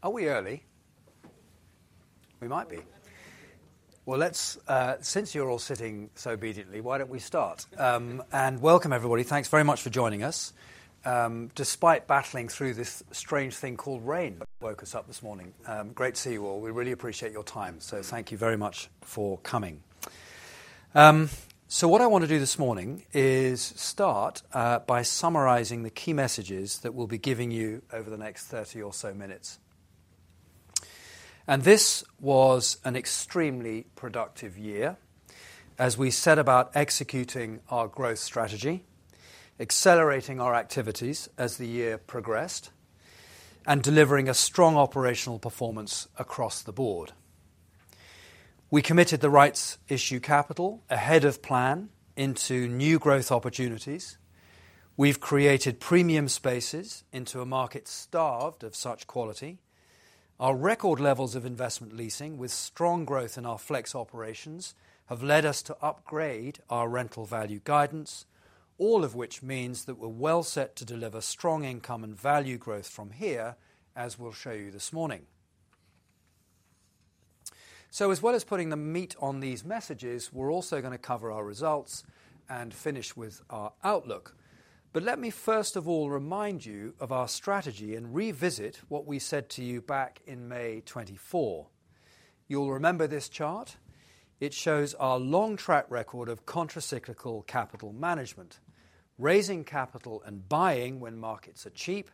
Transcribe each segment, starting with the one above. Are we early? We might be. Since you're all sitting so obediently, why don't we start? Welcome, everybody. Thanks very much for joining us. Despite battling through this strange thing called rain that woke us up this morning, great to see you all. We really appreciate your time, so thank you very much for coming. What I want to do this morning is start by summarizing the key messages that we'll be giving you over the next 30 or so minutes. This was an extremely productive year, as we set about executing our growth strategy, accelerating our activities as the year progressed, and delivering a strong operational performance across the board. We committed the rights-issued capital ahead of plan into new growth opportunities. We've created premium spaces into a market starved of such quality. Our record levels of investment leasing, with strong growth in our Flex operations, have led us to upgrade our rental value guidance, all of which means that we're well set to deliver strong income and value growth from here, as we'll show you this morning. As well as putting the meat on these messages, we're also gonna cover our results and finish with our outlook. Let me first of all remind you of our strategy and revisit what we said to you back in May 2024. You'll remember this chart. It shows our long track record of contracyclical capital management, raising capital and buying when markets are cheap,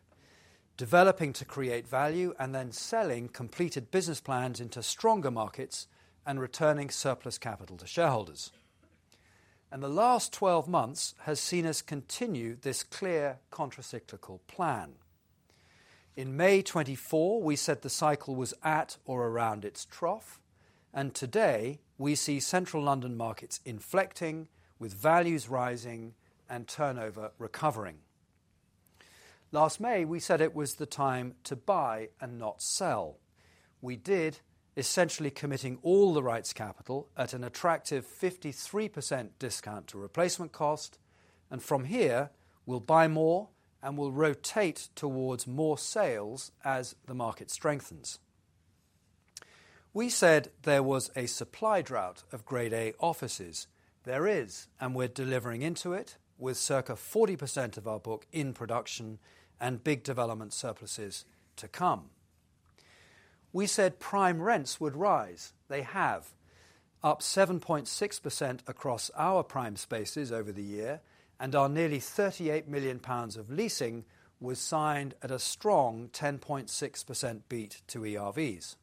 developing to create value, and then selling completed business plans into stronger markets and returning surplus capital to shareholders. The last 12 months has seen us continue this clear contracyclical plan. In May 2024, we said the cycle was at or around its trough, and today we see central London markets inflecting, with values rising and turnover recovering. Last May, we said it was the time to buy and not sell. We did, essentially committing all the rights capital at an attractive 53% discount to replacement cost. From here, we will buy more and we will rotate towards more sales as the market strengthens. We said there was a supply drought of Grade A offices. There is, and we are delivering into it, with circa 40% of our book in production and big development surpluses to come. We said prime rents would rise. They have, up 7.6% across our prime spaces over the year, and our nearly 38 million pounds of leasing was signed at a strong 10.6% beat to ERVs.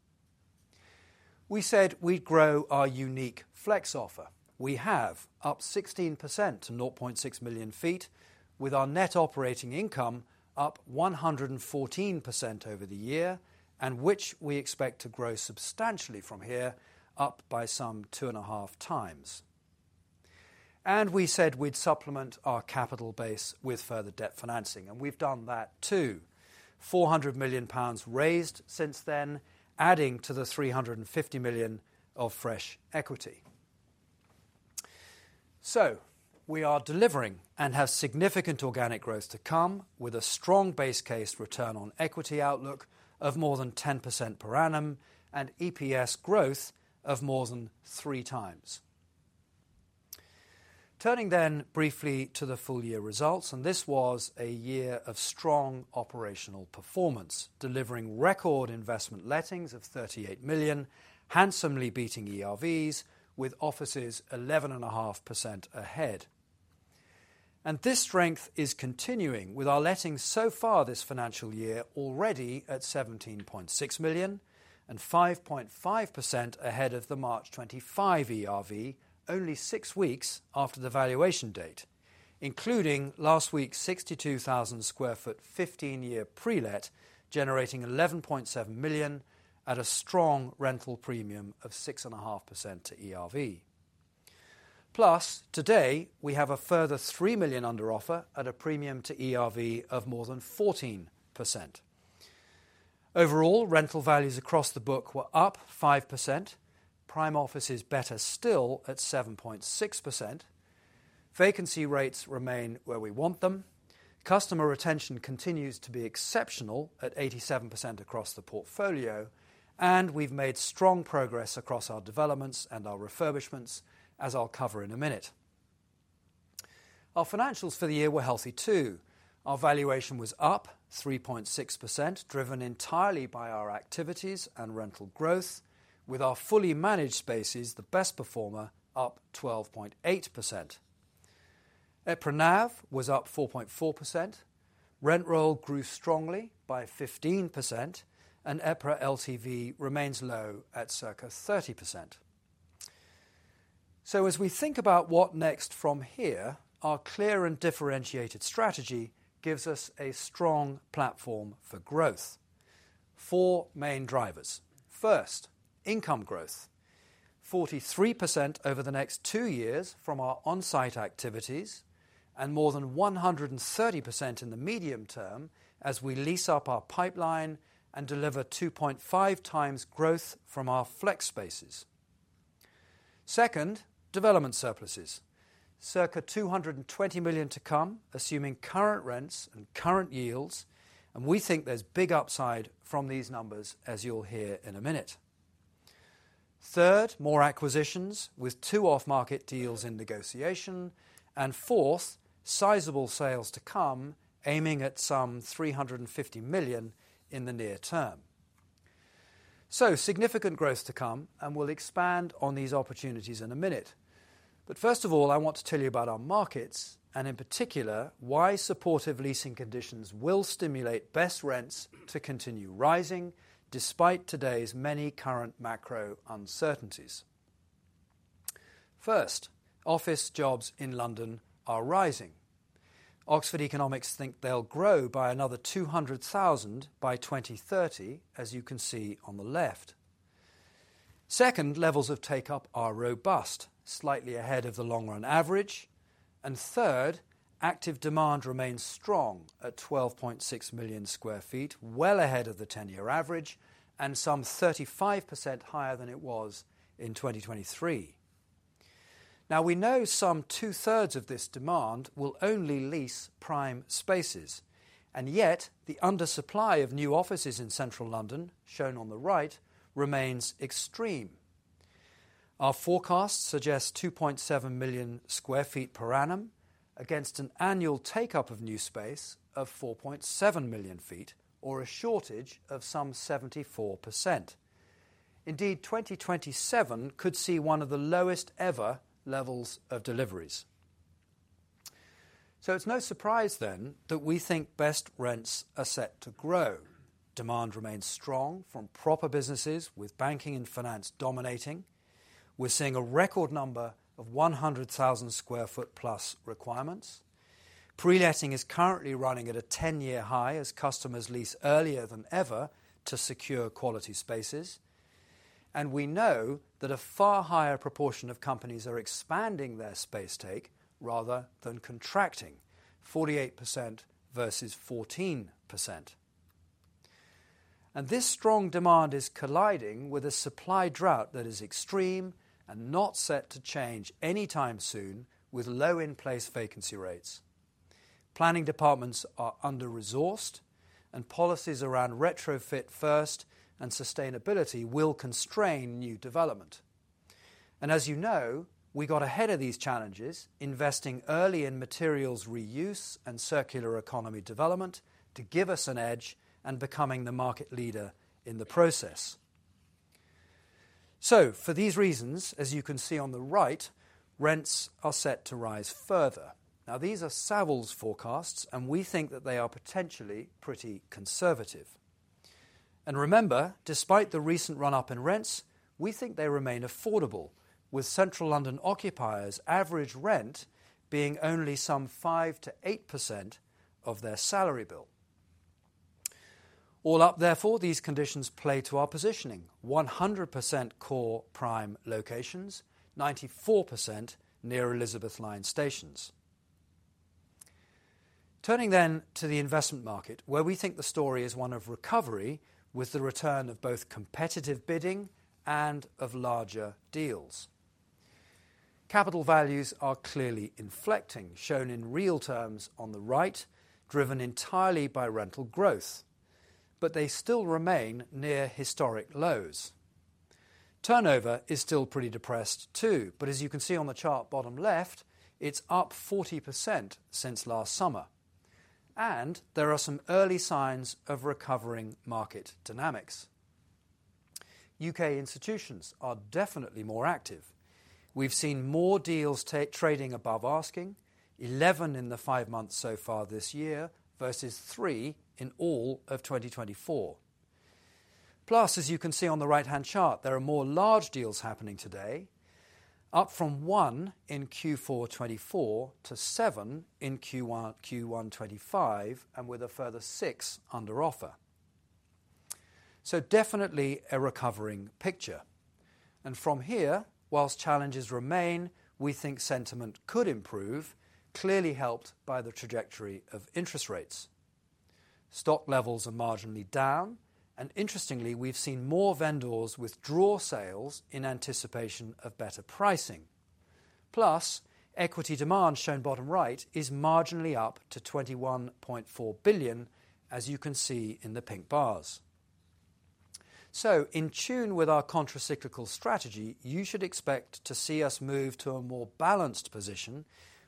We said we would grow our unique Flex offer. We have, up 16% to 0.6 million sq ft, with our net operating income up 114% over the year, and which we expect to grow substantially from here, up by some two and a half times. We said we'd supplement our capital base with further debt financing, and we've done that too. 400 million pounds raised since then, adding to the 350 million of fresh equity. We are delivering and have significant organic growth to come, with a strong base case return on equity outlook of more than 10% per annum and EPS growth of more than 3x. Turning then briefly to the full year results, this was a year of strong operational performance, delivering record investment lettings of 38 million, handsomely beating ERVs, with offices 11.5% ahead. This strength is continuing, with our lettings so far this financial year already at 17.6 million and 5.5% ahead of the March 2025 ERV, only six weeks after the valuation date, including last week's 62,000 sq ft 15-year pre-let generating 11.7 million at a strong rental premium of 6.5% to ERV. Plus, today we have a further 3 million under offer at a premium to ERV of more than 14%. Overall, rental values across the book were up 5%. Prime offices better still at 7.6%. Vacancy rates remain where we want them. Customer retention continues to be exceptional at 87% across the portfolio, and we have made strong progress across our developments and our refurbishments, as I will cover in a minute. Our financials for the year were healthy too. Our valuation was up 3.6%, driven entirely by our activities and rental growth, with our Fully Managed spaces the best performer, up 12.8%. EPRA NAV was up 4.4%. Rent roll grew strongly by 15%, and EPRA LTV remains low at circa 30%. As we think about what next from here, our clear and differentiated strategy gives us a strong platform for growth. Four main drivers. First, income growth, 43% over the next two years from our onsite activities and more than 130% in the medium term as we lease up our pipeline and deliver 2.5x growth from our Flex spaces. Second, development surpluses. Circa 220 million to come, assuming current rents and current yields, and we think there is big upside from these numbers, as you will hear in a minute. Third, more acquisitions with two off-market deals in negotiation. Fourth, sizable sales to come, aiming at some 350 million in the near term. Significant growth to come, and we'll expand on these opportunities in a minute. First of all, I want to tell you about our markets and, in particular, why supportive leasing conditions will stimulate best rents to continue rising despite today's many current macro uncertainties. First, office jobs in London are rising. Oxford Economics think they'll grow by another 200,000 by 2030, as you can see on the left. Second, levels of take-up are robust, slightly ahead of the long-run average. Third, active demand remains strong at 12.6 million sq ft, well ahead of the 10-year average and some 35% higher than it was in 2023. Now, we know some two-thirds of this demand will only lease prime spaces, and yet the undersupply of new offices in central London, shown on the right, remains extreme. Our forecast suggests 2.7 million sq ft per annum against an annual take-up of new space of 4.7 million sq ft, or a shortage of some 74%. Indeed, 2027 could see one of the lowest-ever levels of deliveries. It is no surprise then that we think best rents are set to grow. Demand remains strong from proper businesses, with banking and finance dominating. We're seeing a record number of 100,000 sq ft+ requirements. Pre-letting is currently running at a 10-year high as customers lease earlier than ever to secure quality spaces. We know that a far higher proportion of companies are expanding their space take rather than contracting, 48% versus 14%. This strong demand is colliding with a supply drought that is extreme and not set to change anytime soon, with low in-place vacancy rates. Planning departments are under-resourced, and policies around retrofit first and sustainability will constrain new development. As you know, we got ahead of these challenges, investing early in materials reuse and circular economy development to give us an edge and becoming the market leader in the process. For these reasons, as you can see on the right, rents are set to rise further. These are Savills forecasts, and we think that they are potentially pretty conservative. Remember, despite the recent run-up in rents, we think they remain affordable, with central London occupiers' average rent being only some 5%-8% of their salary bill. All up, therefore, these conditions play to our positioning: 100% core prime locations, 94% near Elizabeth Line stations. Turning then to the investment market, where we think the story is one of recovery with the return of both competitive bidding and of larger deals. Capital values are clearly inflecting, shown in real terms on the right, driven entirely by rental growth, but they still remain near historic lows. Turnover is still pretty depressed too, but as you can see on the chart bottom left, it is up 40% since last summer, and there are some early signs of recovering market dynamics. U.K. institutions are definitely more active. We have seen more deals take trading above asking, 11 in the five months so far this year versus three in all of 2023. Plus, as you can see on the right-hand chart, there are more large deals happening today, up from one in Q4 2023 to seven in Q1 2024, and with a further six under offer. Definitely a recovering picture. From here, whilst challenges remain, we think sentiment could improve, clearly helped by the trajectory of interest rates. Stock levels are marginally down, and interestingly, we have seen more vendors withdraw sales in anticipation of better pricing. Plus, equity demand, shown bottom right, is marginally up to 21.4 billion, as you can see in the pink bars. In tune with our contracyclical strategy, you should expect to see us move to a more balanced position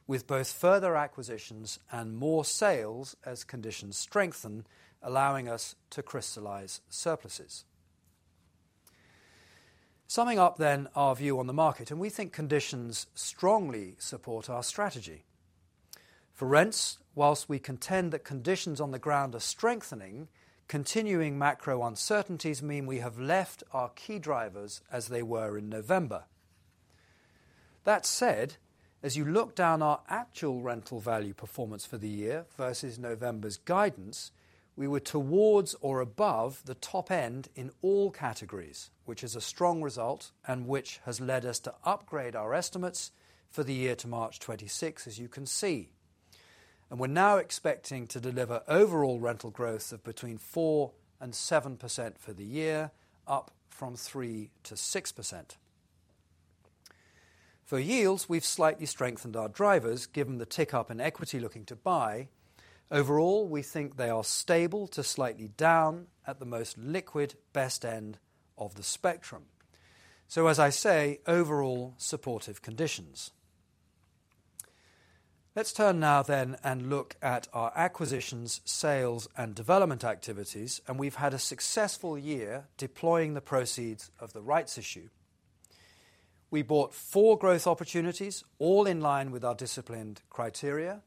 with both further acquisitions and more sales as conditions strengthen, allowing us to crystallize surpluses. Summing up then our view on the market, we think conditions strongly support our strategy. For rents, whilst we contend that conditions on the ground are strengthening, continuing macro uncertainties mean we have left our key drivers as they were in November. That said, as you look down our actual rental value performance for the year versus November's guidance, we were towards or above the top end in all categories, which is a strong result and which has led us to upgrade our estimates for the year to March 2026, as you can see. We are now expecting to deliver overall rental growth of between 4% and 7% for the year, up from 3% to 6%. For yields, we have slightly strengthened our drivers, given the tick-up in equity looking to buy. Overall, we think they are stable to slightly down at the most liquid best end of the spectrum. As I say, overall supportive conditions. Let's turn now and look at our acquisitions, sales, and development activities, and we have had a successful year deploying the proceeds of the rights issue. We bought four growth opportunities, all in line with our disciplined criteria,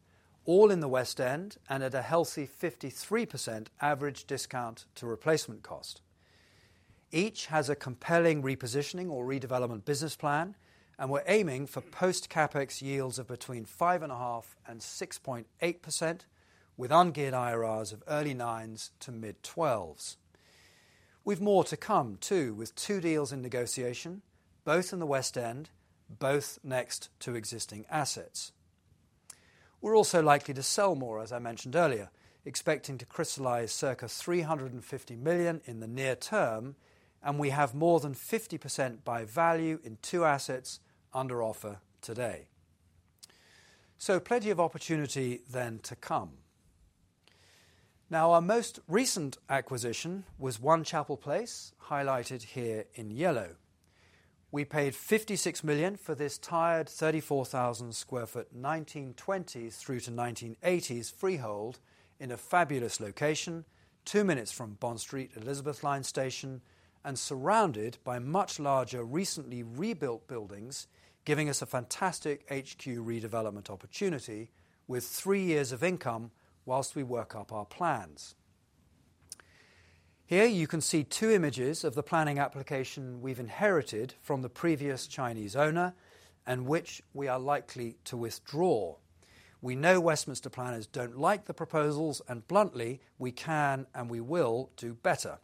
all in the West End, and at a healthy 53% average discount to replacement cost. Each has a compelling repositioning or redevelopment business plan, and we're aiming for post-CapEx yields of between 5.5%-6.8%, with ungeared IRRs of early nines to mid twelves. With more to come too, with two deals in negotiation, both in the West End, both next to existing assets. We're also likely to sell more, as I mentioned earlier, expecting to crystallize circa 350 million in the near term, and we have more than 50% by value in two assets under offer today. Plenty of opportunity then to come. Now, our most recent acquisition was One Chapel Place, highlighted here in yellow. We paid 56 million for this tired 34,000 sq ft 1920s through to 1980s freehold in a fabulous location, two minutes from Bond Street, Elizabeth Line station, and surrounded by much larger recently rebuilt buildings, giving us a fantastic HQ redevelopment opportunity with three years of income whilst we work up our plans. Here you can see two images of the planning application we've inherited from the previous Chinese owner and which we are likely to withdraw. We know Westminster planners do not like the proposals, and bluntly, we can and we will do better.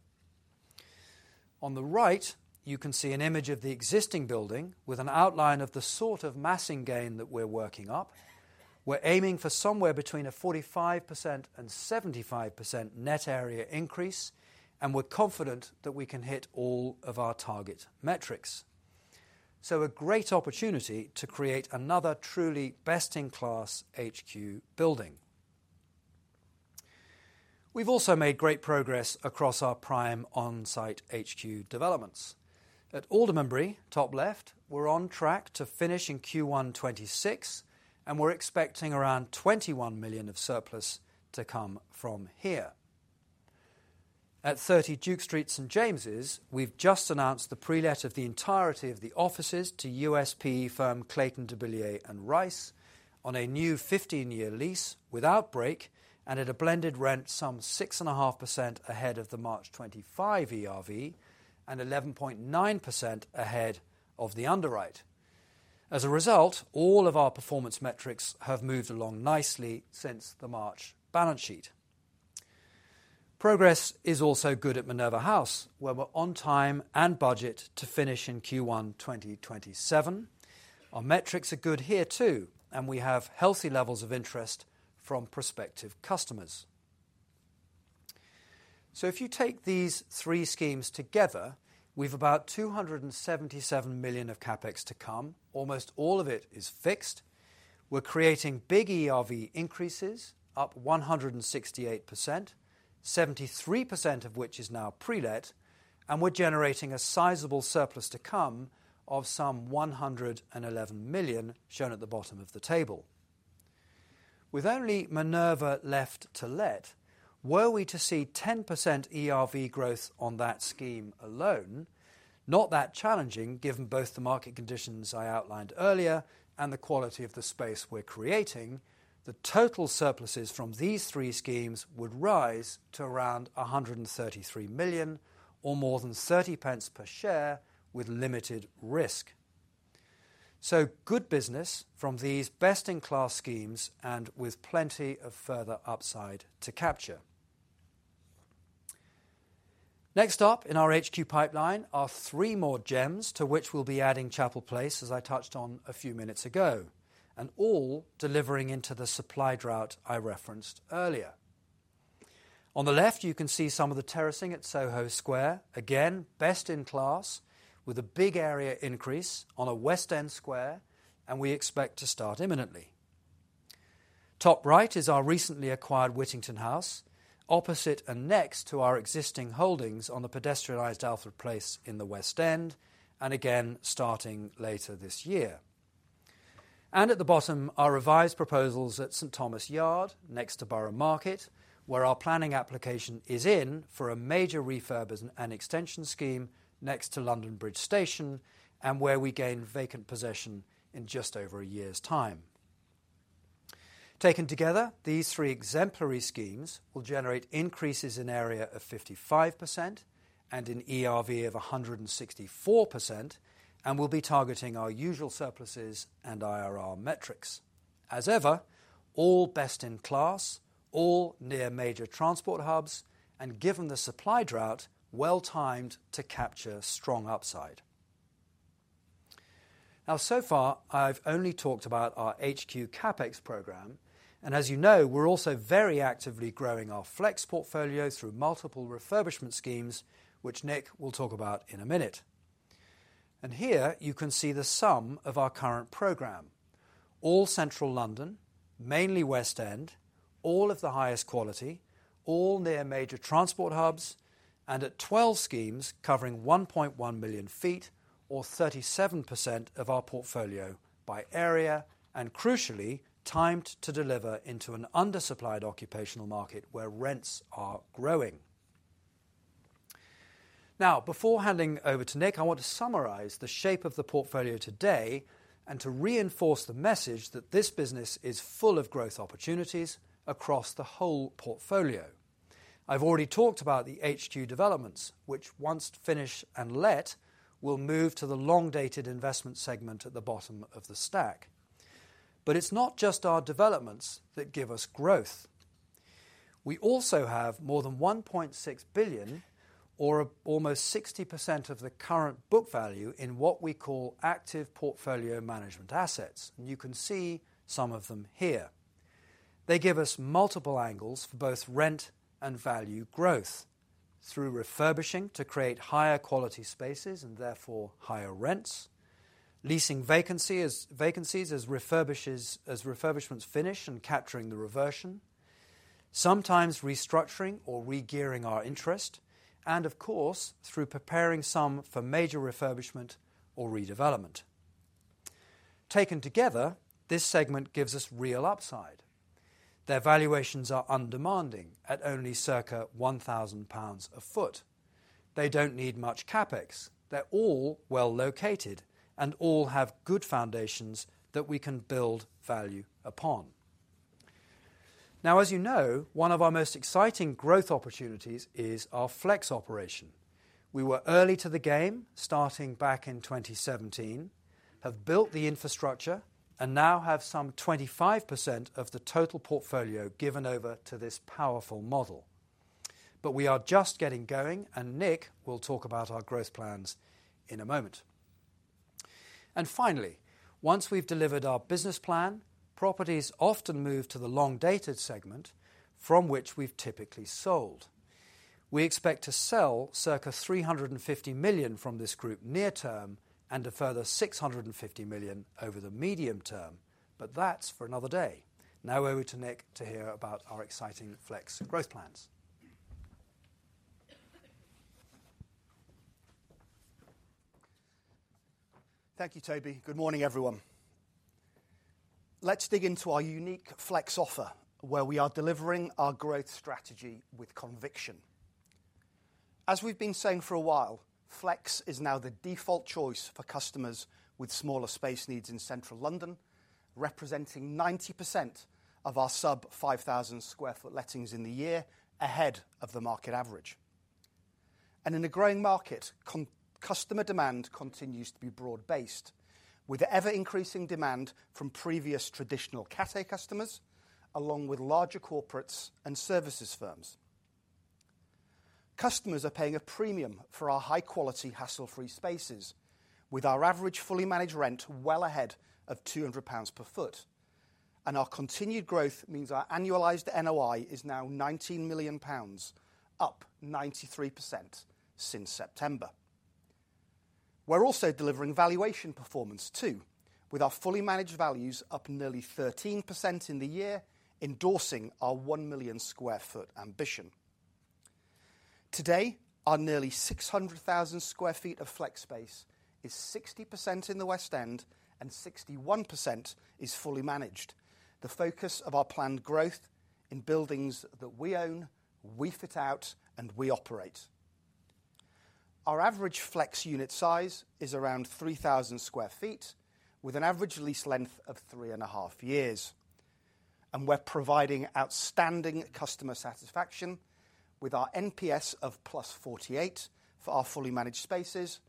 On the right, you can see an image of the existing building with an outline of the sort of massing gain that we're working up. We're aiming for somewhere between a 45%-75% net area increase, and we're confident that we can hit all of our target metrics. A great opportunity to create another truly best-in-class HQ building. We've also made great progress across our prime onsite HQ developments. At Aldermary, top left, we're on track to finish in Q1 2026, and we're expecting around 21 million of surplus to come from here. At 30 Duke Street St James's, we've just announced the pre-let of the entirety of the offices to private equity firm Clayton, Dubilier & Rice on a new 15-year lease without break and at a blended rent some 6.5% ahead of the March 2025 ERV and 11.9% ahead of the underwrite. As a result, all of our performance metrics have moved along nicely since the March balance sheet. Progress is also good at Minerva House, where we're on time and budget to finish in Q1 2027. Our metrics are good here too, and we have healthy levels of interest from prospective customers. If you take these three schemes together, we've about 277 million of CapEx to come. Almost all of it is fixed. We're creating big ERV increases, up 168%, 73% of which is now pre-let, and we're generating a sizable surplus to come of some 111 million, shown at the bottom of the table. With only Minerva left to let, were we to see 10% ERV growth on that scheme alone, not that challenging given both the market conditions I outlined earlier and the quality of the space we're creating, the total surpluses from these three schemes would rise to around 133 million or more than 0.30 per share with limited risk. Good business from these best-in-class schemes and with plenty of further upside to capture. Next up in our HQ pipeline are three more gems to which we'll be adding Chapel Place, as I touched on a few minutes ago, and all delivering into the supply drought I referenced earlier. On the left, you can see some of the terracing at Soho Square, again best in class, with a big area increase on a West End square, and we expect to start imminently. Top right is our recently acquired Whittington House, opposite and next to our existing holdings on the pedestrianized Alfred Place in the West End, and again starting later this year. At the bottom are revised proposals at St Thomas Yard, next to Borough Market, where our planning application is in for a major refurb and extension scheme next to London Bridge Station, and where we gain vacant possession in just over a year's time. Taken together, these three exemplary schemes will generate increases in area of 55% and in ERV of 164%, and we'll be targeting our usual surpluses and IRR metrics. As ever, all best in class, all near major transport hubs, and given the supply drought, well timed to capture strong upside. Now, so far, I've only talked about our HQ CapEx program, and as you know, we're also very actively growing our Flex portfolio through multiple refurbishment schemes, which Nick will talk about in a minute. Here you can see the sum of our current program: all Central London, mainly West End, all of the highest quality, all near major transport hubs, and at 12 schemes covering 1.1 million sq ft or 37% of our portfolio by area, and crucially, timed to deliver into an undersupplied occupational market where rents are growing. Now, before handing over to Nick, I want to summarize the shape of the portfolio today and to reinforce the message that this business is full of growth opportunities across the whole portfolio. I've already talked about the HQ developments, which once finished and let, will move to the long-dated investment segment at the bottom of the stack. It is not just our developments that give us growth. We also have more than 1.6 billion, or almost 60% of the current book value in what we call active portfolio management assets, and you can see some of them here. They give us multiple angles for both rent and value growth through refurbishing to create higher quality spaces and therefore higher rents, leasing vacancies as refurbishments finish and capturing the reversion, sometimes restructuring or regearing our interest, and of course, through preparing some for major refurbishment or redevelopment. Taken together, this segment gives us real upside. Their valuations are undemanding at only circa GBP a square foot. They do not need much CapEx. They are all well located and all have good foundations that we can build value upon. Now, as you know, one of our most exciting growth opportunities is our Flex operation. We were early to the game, starting back in 2017, have built the infrastructure, and now have some 25% of the total portfolio given over to this powerful model. We are just getting going, and Nick will talk about our growth plans in a moment. Finally, once we have delivered our business plan, properties often move to the long-dated segment from which we have typically sold. We expect to sell circa 350 million from this group near term and a further 650 million over the medium term, but that is for another day. Now over to Nick to hear about our exciting Flex growth plans. Thank you, Toby. Good morning, everyone. Let's dig into our unique Flex offer, where we are delivering our growth strategy with conviction. As we've been saying for a while, Flex is now the default choice for customers with smaller space needs in Central London, representing 90% of our sub-5,000 sq ft lettings in the year ahead of the market average. In a growing market, customer demand continues to be broad-based, with ever-increasing demand from previous traditional cafe customers, along with larger corporates and services firms. Customers are paying a premium for our high-quality hassle-free spaces, with our average Fully Managed rent well ahead of 200 pounds per foot. Our continued growth means our annualized NOI is now 19 million pounds, up 93% since September. We're also delivering valuation performance too, with our Fully Managed values up nearly 13% in the year, endorsing our 1 million sq ft ambition. Today, our nearly 600,000 sq ft of Flex space is 60% in the West End and 61% is Fully Managed, the focus of our planned growth in buildings that we own, we fit out, and we operate. Our average Flex unit size is around 3,000 sq ft, with an average lease length of three and a half years. We're providing outstanding customer satisfaction with our NPS of +48 for our Fully Managed spaces,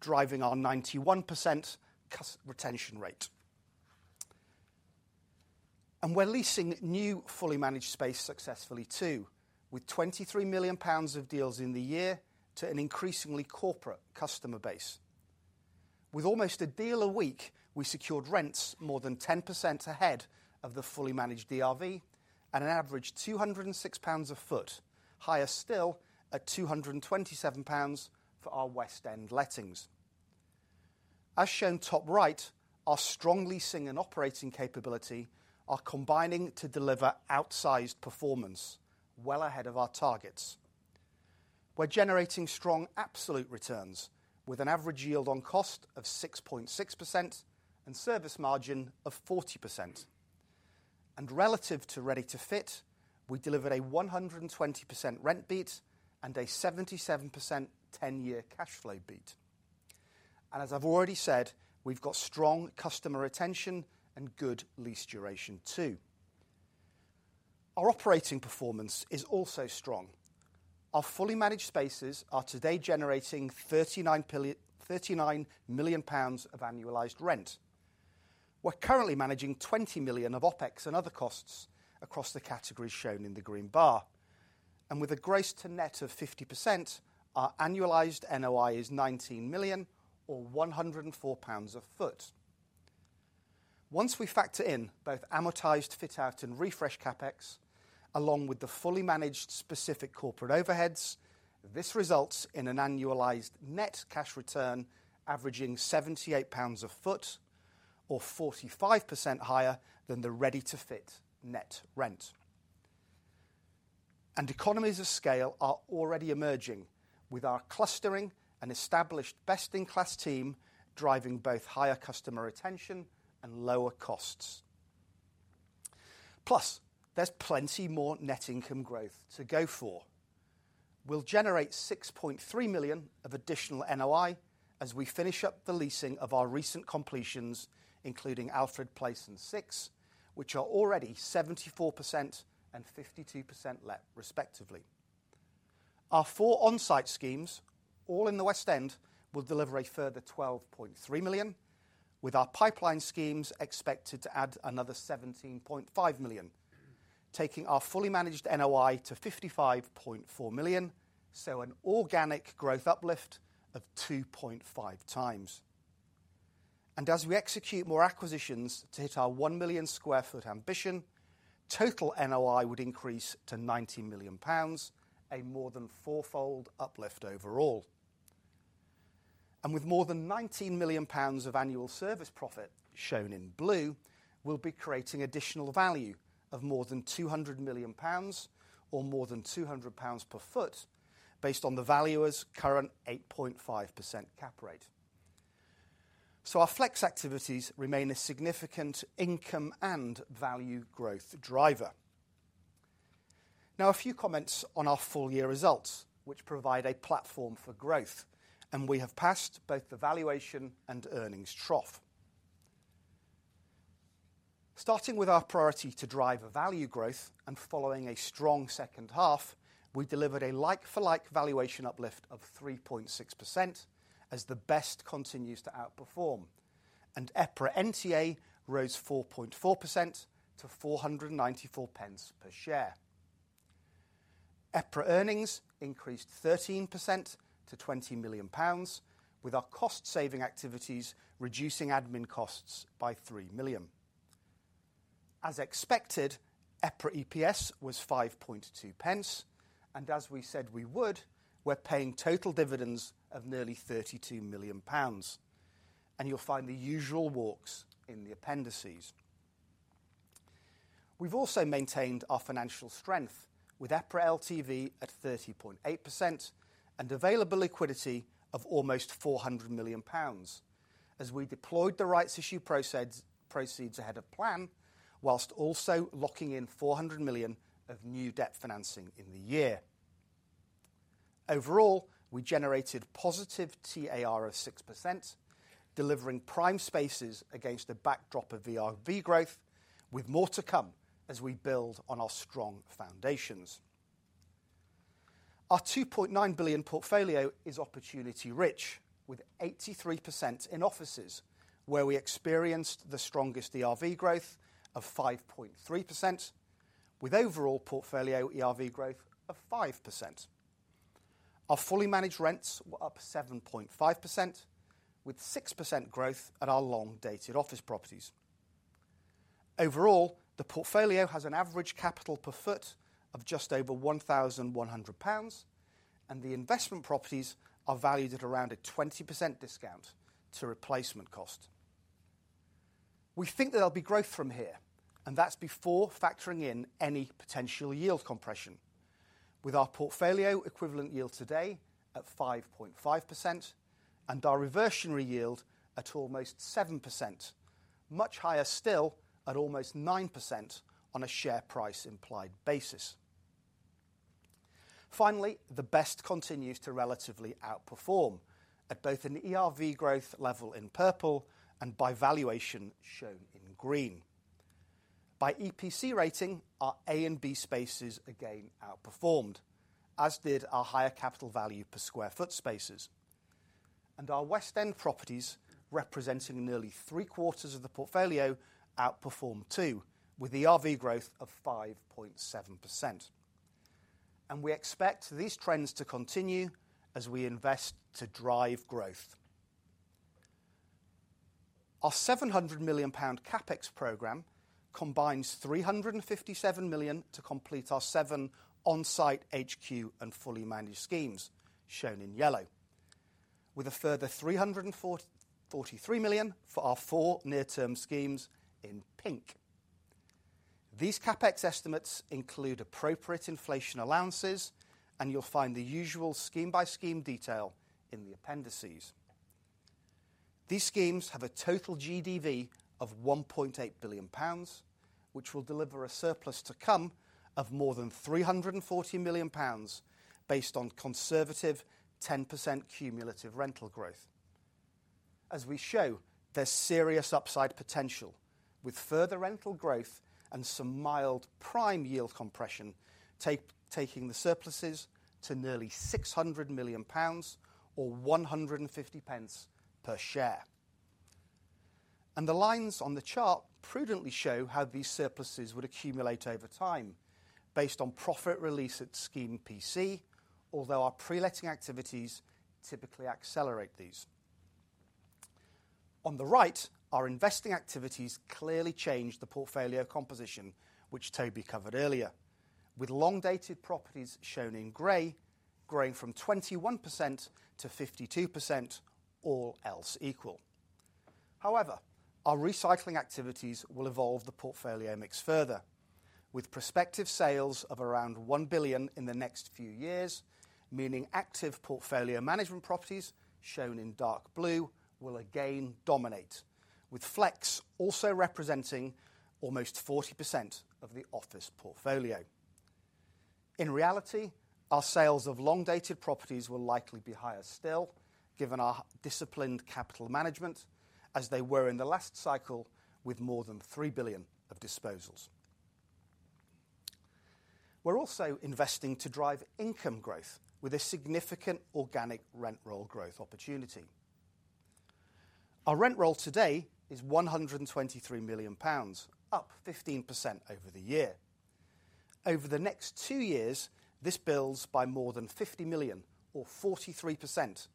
driving our 91% retention rate. We're leasing new Fully Managed space successfully too, with 23 million pounds of deals in the year to an increasingly corporate customer base. With almost a deal a week, we secured rents more than 10% ahead of the Fully Managed ERV and an average GBP a square foot, higher still at 227 pounds for our West End lettings. As shown top right, our strong leasing and operating capability are combining to deliver outsized performance well ahead of our targets. We're generating strong absolute returns with an average yield on cost of 6.6% and service margin of 40%. Relative to ready-to-fit, we delivered a 120% rent beat and a 77% 10-year cash flow beat. As I've already said, we've got strong customer retention and good lease duration too. Our operating performance is also strong. Our Fully Managed spaces are today generating 39 million pounds of annualized rent. We're currently managing 20 million of OpEx and other costs across the categories shown in the green bar. With a gross to net of 50%, our annualized NOI is 19 million or 104 pounds a foot. Once we factor in both amortized fit out and refresh CapEx, along with the Fully Managed specific corporate overheads, this results in an annualized net cash return averaging 78 pounds a foot, or 45% higher than the ready-to-fit net rent. Economies of scale are already emerging with our clustering and established best-in-class team driving both higher customer retention and lower costs. Plus, there is plenty more net income growth to go for. We will generate 6.3 million of additional NOI as we finish up the leasing of our recent completions, including Alfred Place and SIX, which are already 74% and 52% let, respectively. Our four onsite schemes, all in the West End, will deliver a further 12.3 million, with our pipeline schemes expected to add another 17.5 million, taking our Fully Managed NOI to 55.4 million, so an organic growth uplift of 2.5x. As we execute more acquisitions to hit our 1 million sq ft ambition, total NOI would increase to 90 million pounds, a more than fourfold uplift overall. With more than 19 million pounds of annual service profit shown in blue, we will be creating additional value of more than 200 million pounds or more than 200 pounds per square foot based on the valuer's current 8.5% cap rate. Our Flex activities remain a significant income and value growth driver. Now, a few comments on our full year results, which provide a platform for growth, and we have passed both the valuation and earnings trough. Starting with our priority to drive value growth and following a strong second half, we delivered a like-for-like valuation uplift of 3.6% as the best continues to outperform, and EPRA NTA rose 4.4% to 4.94 per share. EPRA earnings increased 13% to 20 million pounds, with our cost-saving activities reducing admin costs by 3 million. As expected, EPRA EPS was 0.052, and as we said we would, we're paying total dividends of nearly 32 million pounds. You will find the usual walks in the appendices. We have also maintained our financial strength with EPRA LTV at 30.8% and available liquidity of almost 400 million pounds as we deployed the rights issue proceeds ahead of plan, whilst also locking in 400 million of new debt financing in the year. Overall, we generated positive TAR of 6%, delivering prime spaces against a backdrop of ERV growth, with more to come as we build on our strong foundations. Our 2.9 billion portfolio is opportunity rich, with 83% in offices, where we experienced the strongest ERV growth of 5.3%, with overall portfolio ERV growth of 5%. Our Fully Managed rents were up 7.5%, with 6% growth at our long-dated office properties. Overall, the portfolio has an average capital per foot of just over 1,100 pounds, and the investment properties are valued at around a 20% discount to replacement cost. We think there'll be growth from here, and that's before factoring in any potential yield compression, with our portfolio equivalent yield today at 5.5% and our reversionary yield at almost 7%, much higher still at almost 9% on a share price implied basis. Finally, the best continues to relatively outperform at both an ERV growth level in purple and by valuation shown in green. By EPC rating, our A and B spaces again outperformed, as did our higher capital value per square foot spaces. Our West End properties, representing nearly 3/4r of the portfolio, outperformed too, with ERV growth of 5.7%. We expect these trends to continue as we invest to drive growth. Our 700 million pound CapEx program combines 357 million to complete our seven onsite HQ and Fully Managed schemes, shown in yellow, with a further 343 million for our four near-term schemes in pink. These CapEx estimates include appropriate inflation allowances, and you will find the usual scheme-by-scheme detail in the appendices. These schemes have a total GDV of 1.8 billion pounds, which will deliver a surplus to come of more than 340 million pounds based on conservative 10% cumulative rental growth. As we show, there's serious upside potential, with further rental growth and some mild prime yield compression taking the surpluses to nearly 600 million pounds or 1.50 per share. The lines on the chart prudently show how these surpluses would accumulate over time based on profit release at Scheme PC, although our pre-letting activities typically accelerate these. On the right, our investing activities clearly change the portfolio composition, which Toby covered earlier, with long-dated properties shown in gray growing from 21% to 52%, all else equal. However, our recycling activities will evolve the portfolio mix further, with prospective sales of around 1 billion in the next few years, meaning active portfolio management properties shown in dark blue will again dominate, with Flex also representing almost 40% of the office portfolio. In reality, our sales of long-dated properties will likely be higher still, given our disciplined capital management, as they were in the last cycle with more than 3 billion of disposals. We're also investing to drive income growth with a significant organic rent roll growth opportunity. Our rent roll today is 123 million pounds, up 15% over the year. Over the next two years, this builds by more than 50 million, or 43%,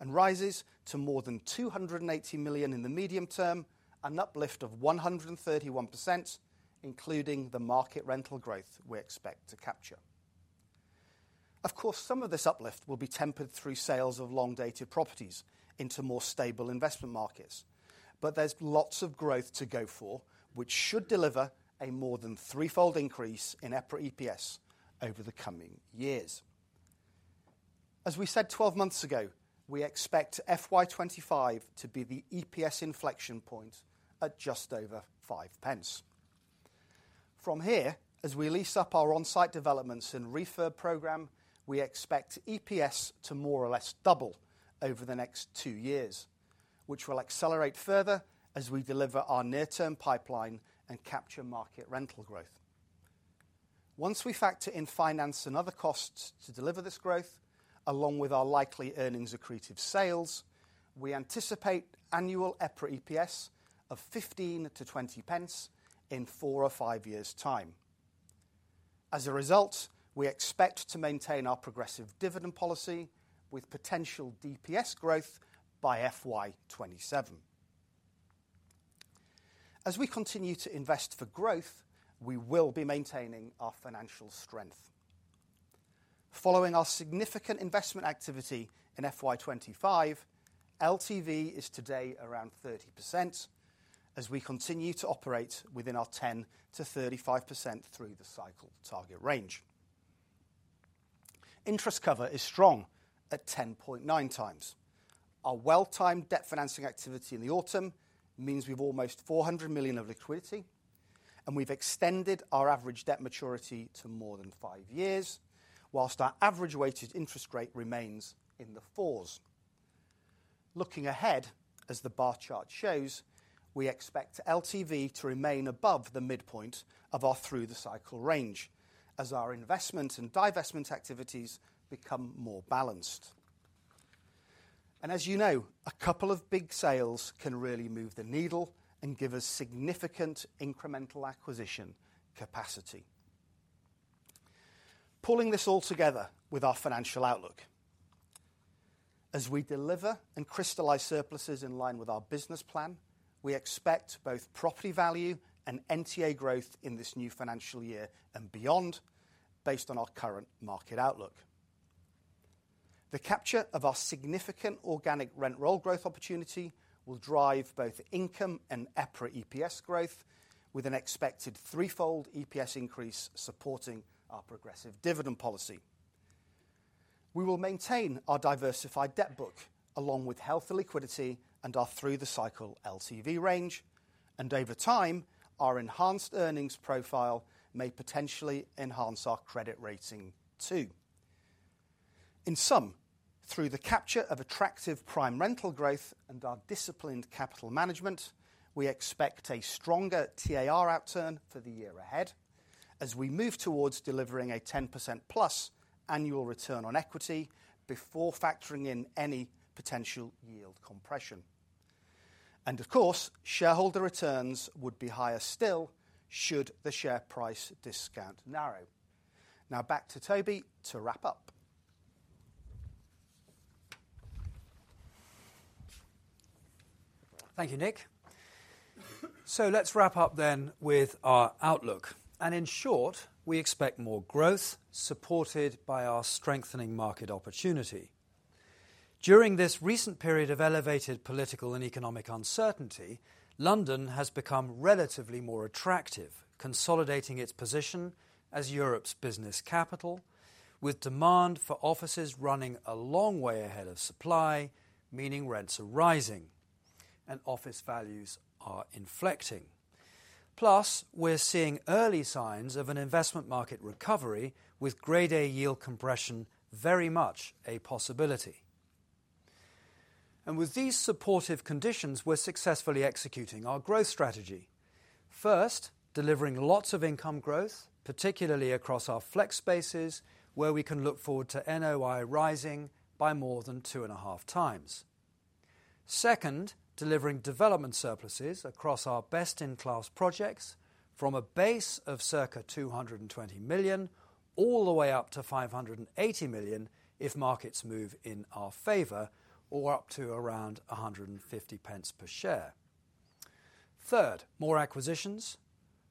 and rises to more than 280 million in the medium term, an uplift of 131%, including the market rental growth we expect to capture. Of course, some of this uplift will be tempered through sales of long-dated properties into more stable investment markets, but there's lots of growth to go for, which should deliver a more than threefold increase in EPRA EPS over the coming years. As we said 12 months ago, we expect FY 2025 to be the EPS inflection point at just over 5. From here, as we lease up our onsite developments and refurb program, we expect EPS to more or less double over the next two years, which will accelerate further as we deliver our near-term pipeline and capture market rental growth. Once we factor in finance and other costs to deliver this growth, along with our likely earnings accretive sales, we anticipate annual EPRA EPS of 0.15-0.20 in four or five years' time. As a result, we expect to maintain our progressive dividend policy with potential DPS growth by FY 2027. As we continue to invest for growth, we will be maintaining our financial strength. Following our significant investment activity in FY 2025, LTV is today around 30% as we continue to operate within our 10%-35% through the cycle target range. Interest cover is strong at 10.9x. Our well-timed debt financing activity in the autumn means we've almost 400 million of liquidity, and we've extended our average debt maturity to more than five years, whilst our average weighted interest rate remains in the fours. Looking ahead, as the bar chart shows, we expect LTV to remain above the midpoint of our through-the-cycle range as our investment and divestment activities become more balanced. As you know, a couple of big sales can really move the needle and give us significant incremental acquisition capacity. Pulling this all together with our financial outlook, as we deliver and crystallize surpluses in line with our business plan, we expect both property value and NTA growth in this new financial year and beyond based on our current market outlook. The capture of our significant organic rent roll growth opportunity will drive both income and EPRA EPS growth, with an expected threefold EPS increase supporting our progressive dividend policy. We will maintain our diversified debt book along with healthy liquidity and our through-the-cycle LTV range, and over time, our enhanced earnings profile may potentially enhance our credit rating too. In sum, through the capture of attractive prime rental growth and our disciplined capital management, we expect a stronger TAR outturn for the year ahead as we move towards delivering a 10%+ annual return on equity before factoring in any potential yield compression. Of course, shareholder returns would be higher still should the share price discount narrow. Now, back to Toby to wrap up. Thank you, Nick. Let's wrap up then with our outlook. In short, we expect more growth supported by our strengthening market opportunity. During this recent period of elevated political and economic uncertainty, London has become relatively more attractive, consolidating its position as Europe's business capital, with demand for offices running a long way ahead of supply, meaning rents are rising and office values are inflecting. Plus, we're seeing early signs of an investment market recovery, with Grade A yield compression very much a possibility. With these supportive conditions, we're successfully executing our growth strategy. First, delivering lots of income growth, particularly across our Flex spaces, where we can look forward to NOI rising by more than two and a half times. Second, delivering development surpluses across our best-in-class projects from a base of circa 220 million all the way up to 580 million if markets move in our favor or up to around 1.50 per share. Third, more acquisitions.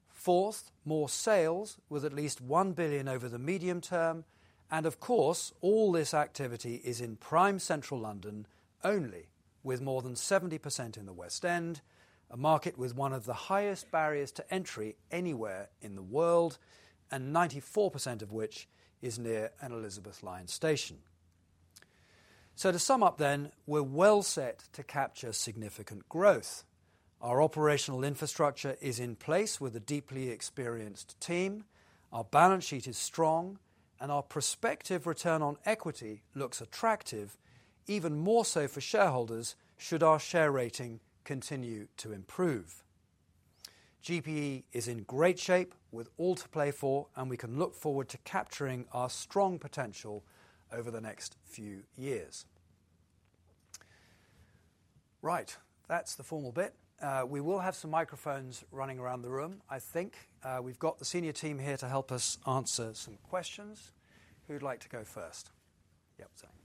Fourth, more sales with at least 1 billion over the medium term. Of course, all this activity is in prime Central London only, with more than 70% in the West End, a market with one of the highest barriers to entry anywhere in the world, and 94% of which is near an Elizabeth Line station. To sum up then, we're well set to capture significant growth. Our operational infrastructure is in place with a deeply experienced team. Our balance sheet is strong, and our prospective return on equity looks attractive, even more so for shareholders should our share rating continue to improve. GPE is in great shape with all to play for, and we can look forward to capturing our strong potential over the next few years. Right, that's the formal bit. We will have some microphones running around the room. I think we've got the senior team here to help us answer some questions. Who'd like to go first? Yep, thanks.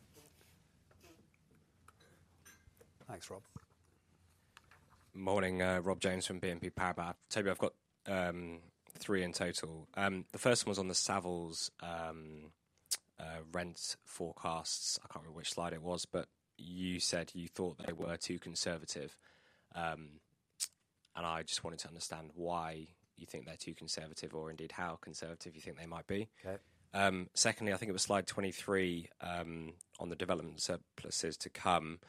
Thanks, Rob. Morning, Rob Jones from BNP Paribas. Toby, I've got three in total. The first one was on the Savills rent forecasts. I can't remember which slide it was, but you said you thought they were too conservative. I just wanted to understand why you think they're too conservative, or indeed how conservative you think they might be. Secondly, I think it was slide 23 on the development surpluses to come.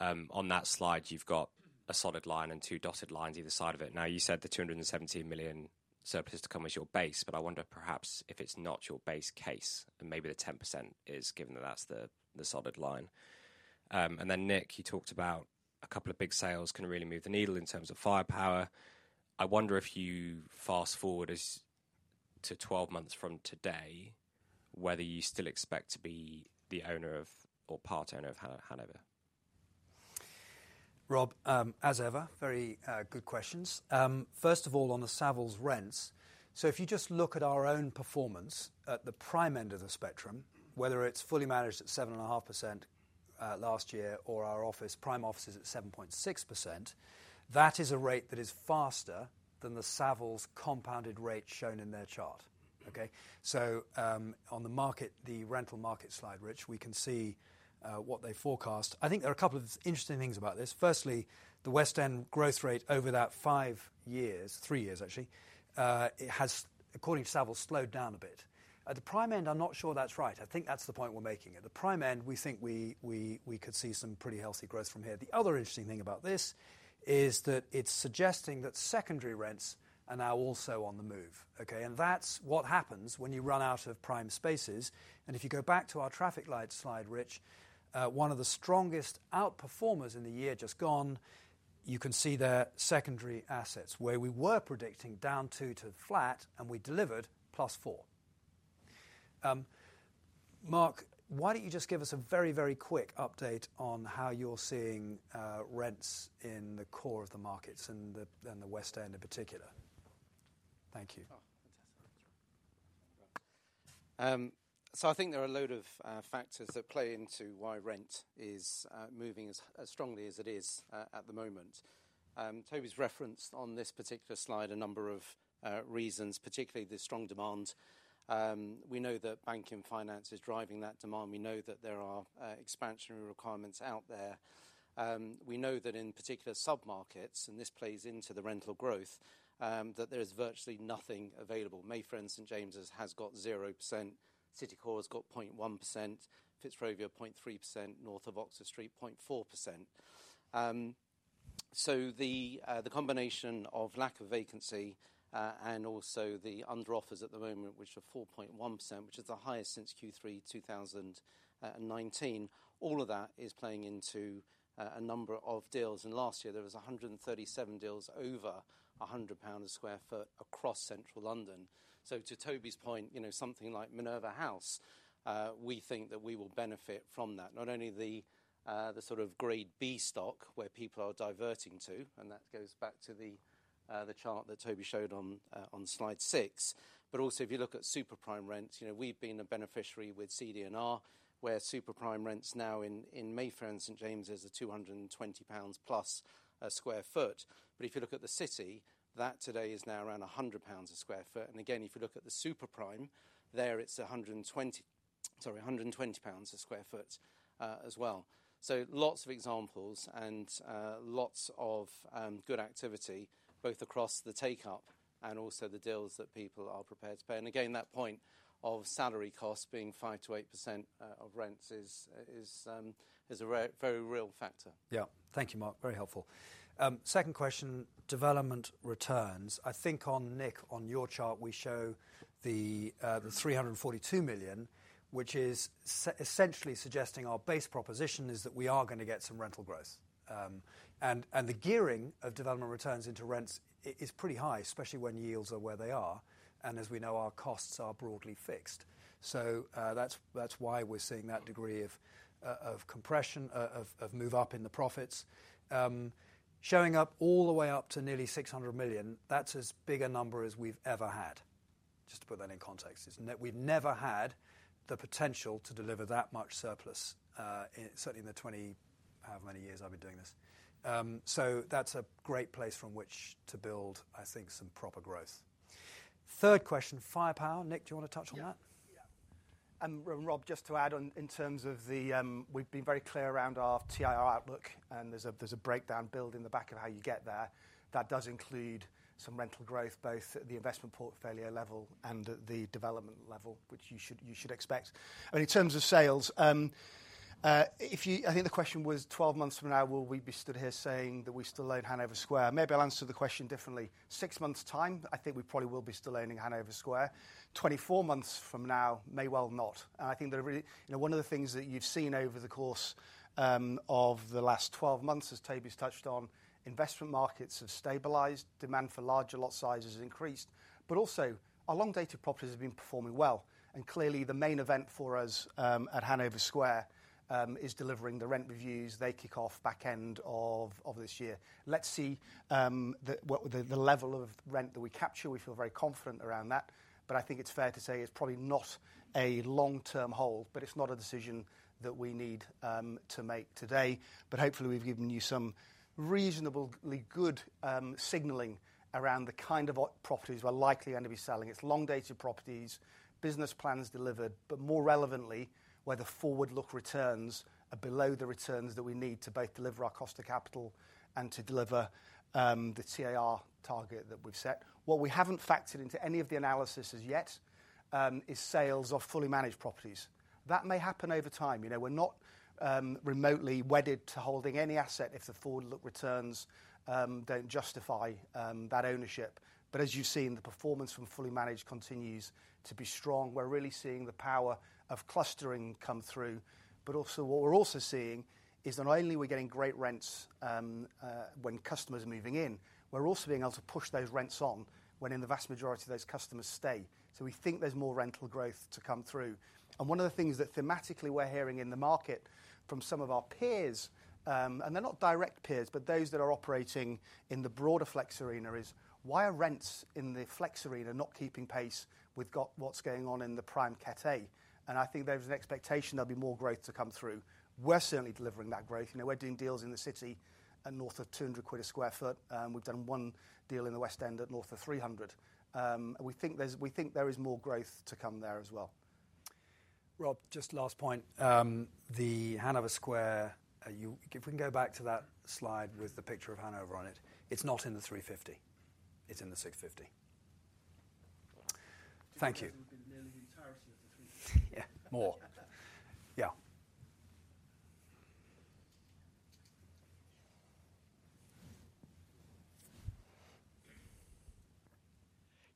On that slide, you've got a solid line and two dotted lines either side of it. You said the 270 million surplus to come is your base, but I wonder perhaps if it's not your base case, and maybe the 10% is given that that's the solid line. Then, Nick, you talked about a couple of big sales can really move the needle in terms of firepower. I wonder if you fast forward to 12 months from today, whether you still expect to be the owner of or part owner of Hanover. Rob, as ever, very good questions. First of all, on the Savills rents, so if you just look at our own performance at the prime end of the spectrum, whether it's Fully Managed at 7.5% last year or our prime offices at 7.6%, that is a rate that is faster than the Savills compounded rate shown in their chart. Okay? On the market, the rental market slide, Rich, we can see what they forecast. I think there are a couple of interesting things about this. Firstly, the West End growth rate over that five years, three years actually, it has, according to Savills, slowed down a bit. At the prime end, I'm not sure that's right. I think that's the point we're making. At the prime end, we think we could see some pretty healthy growth from here. The other interesting thing about this is that it's suggesting that secondary rents are now also on the move. Okay? That's what happens when you run out of prime spaces. If you go back to our traffic light slide, Rich, one of the strongest outperformers in the year just gone, you can see their secondary assets, where we were predicting down 2% to flat, and we delivered +4%. Marc, why don't you just give us a very, very quick update on how you're seeing rents in the core of the markets and the West End in particular? Thank you. I think there are a load of factors that play into why rent is moving as strongly as it is at the moment. Toby's referenced on this particular slide a number of reasons, particularly the strong demand. We know that banking finance is driving that demand. We know that there are expansionary requirements out there. We know that in particular submarkets, and this plays into the rental growth, that there is virtually nothing available. Mayfair and St James's has got 0%. City Core has got 0.1%. Fitzrovia, 0.3%. North of Oxford Street, 0.4%. The combination of lack of vacancy and also the under-offers at the moment, which are 4.1%, which is the highest since Q3 2019, all of that is playing into a number of deals. Last year, there were 137 deals over 100 pounds a square foot across central London. To Toby's point, something like Minerva House, we think that we will benefit from that. Not only the sort of grade B stock where people are diverting to, and that goes back to the chart that Toby showed on slide six, but also if you look at super prime rents, we've been a beneficiary with CD&R, where super prime rents now in Mayfair and St James's is 220+ pounds a square foot. If you look at the city, that today is now around 100 pounds a square foot. Again, if you look at the super prime, there it's 120. Sorry, 120 pounds a square foot as well. Lots of examples and lots of good activity, both across the take-up and also the deals that people are prepared to pay. That point of salary costs being 5%-8% of rents is a very real factor. Yeah. Thank you, Marc. Very helpful. Second question, development returns. I think on Nick, on your chart, we show the 342 million, which is essentially suggesting our base proposition is that we are going to get some rental growth. The gearing of development returns into rents is pretty high, especially when yields are where they are. As we know, our costs are broadly fixed. That is why we are seeing that degree of compression, of move up in the profits. Showing up all the way up to nearly 600 million, that is as big a number as we have ever had. Just to put that in context, we have never had the potential to deliver that much surplus, certainly in the 20 however many years I have been doing this. That is a great place from which to build, I think, some proper growth. Third question, firepower. Nick, do you want to touch on that? Yeah. Rob, just to add in terms of the we've been very clear around our TAR outlook, and there's a breakdown built in the back of how you get there. That does include some rental growth, both at the investment portfolio level and at the development level, which you should expect. In terms of sales, I think the question was, 12 months from now, will we be stood here saying that we still own Hanover Square? Maybe I'll answer the question differently. Six months' time, I think we probably will be still owning Hanover Square. Twenty-four months from now, may well not. I think that one of the things that you've seen over the course of the last 12 months, as Toby's touched on, investment markets have stabilized, demand for larger lot sizes has increased, but also our long-dated properties have been performing well. Clearly, the main event for us at Hanover Square is delivering the rent reviews. They kick off back end of this year. Let's see the level of rent that we capture. We feel very confident around that. I think it's fair to say it's probably not a long-term hold, but it's not a decision that we need to make today. Hopefully, we've given you some reasonably good signaling around the kind of properties we're likely going to be selling. It's long-dated properties, business plans delivered, but more relevantly, where the forward-look returns are below the returns that we need to both deliver our cost of capital and to deliver the TAR target that we've set. What we haven't factored into any of the analysis as yet is sales of Fully Managed properties. That may happen over time. We're not remotely wedded to holding any asset if the forward-look returns do not justify that ownership. As you have seen, the performance from Fully Managed continues to be strong. We are really seeing the power of clustering come through. What we are also seeing is not only are we getting great rents when customers are moving in, we are also being able to push those rents on when the vast majority of those customers stay. We think there is more rental growth to come through. One of the things that thematically we are hearing in the market from some of our peers, and they are not direct peers, but those that are operating in the broader Flex arena, is why are rents in the Flex arena not keeping pace with what is going on in the prime category? I think there is an expectation there will be more growth to come through. We're certainly delivering that growth. We're doing deals in the City at north of 200 quid a square foot. We've done one deal in the West End at north of 300. We think there is more growth to come there as well. Rob, just last point. The Hanover Square, if we can go back to that slide with the picture of Hanover on it, it's not in the 350. It's in the 650. Thank you. Yeah. More. Yeah.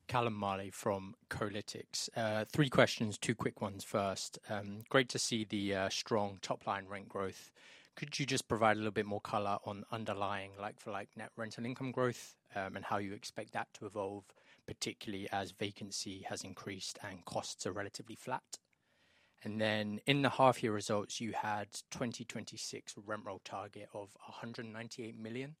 Callum Mariley from Kolytics. Three questions, two quick ones first. Great to see the strong top-line rent growth. Could you just provide a little bit more color on underlying like-for-like net rental income growth and how you expect that to evolve, particularly as vacancy has increased and costs are relatively flat? In the half-year results, you had a 2026 rental target of 198 million,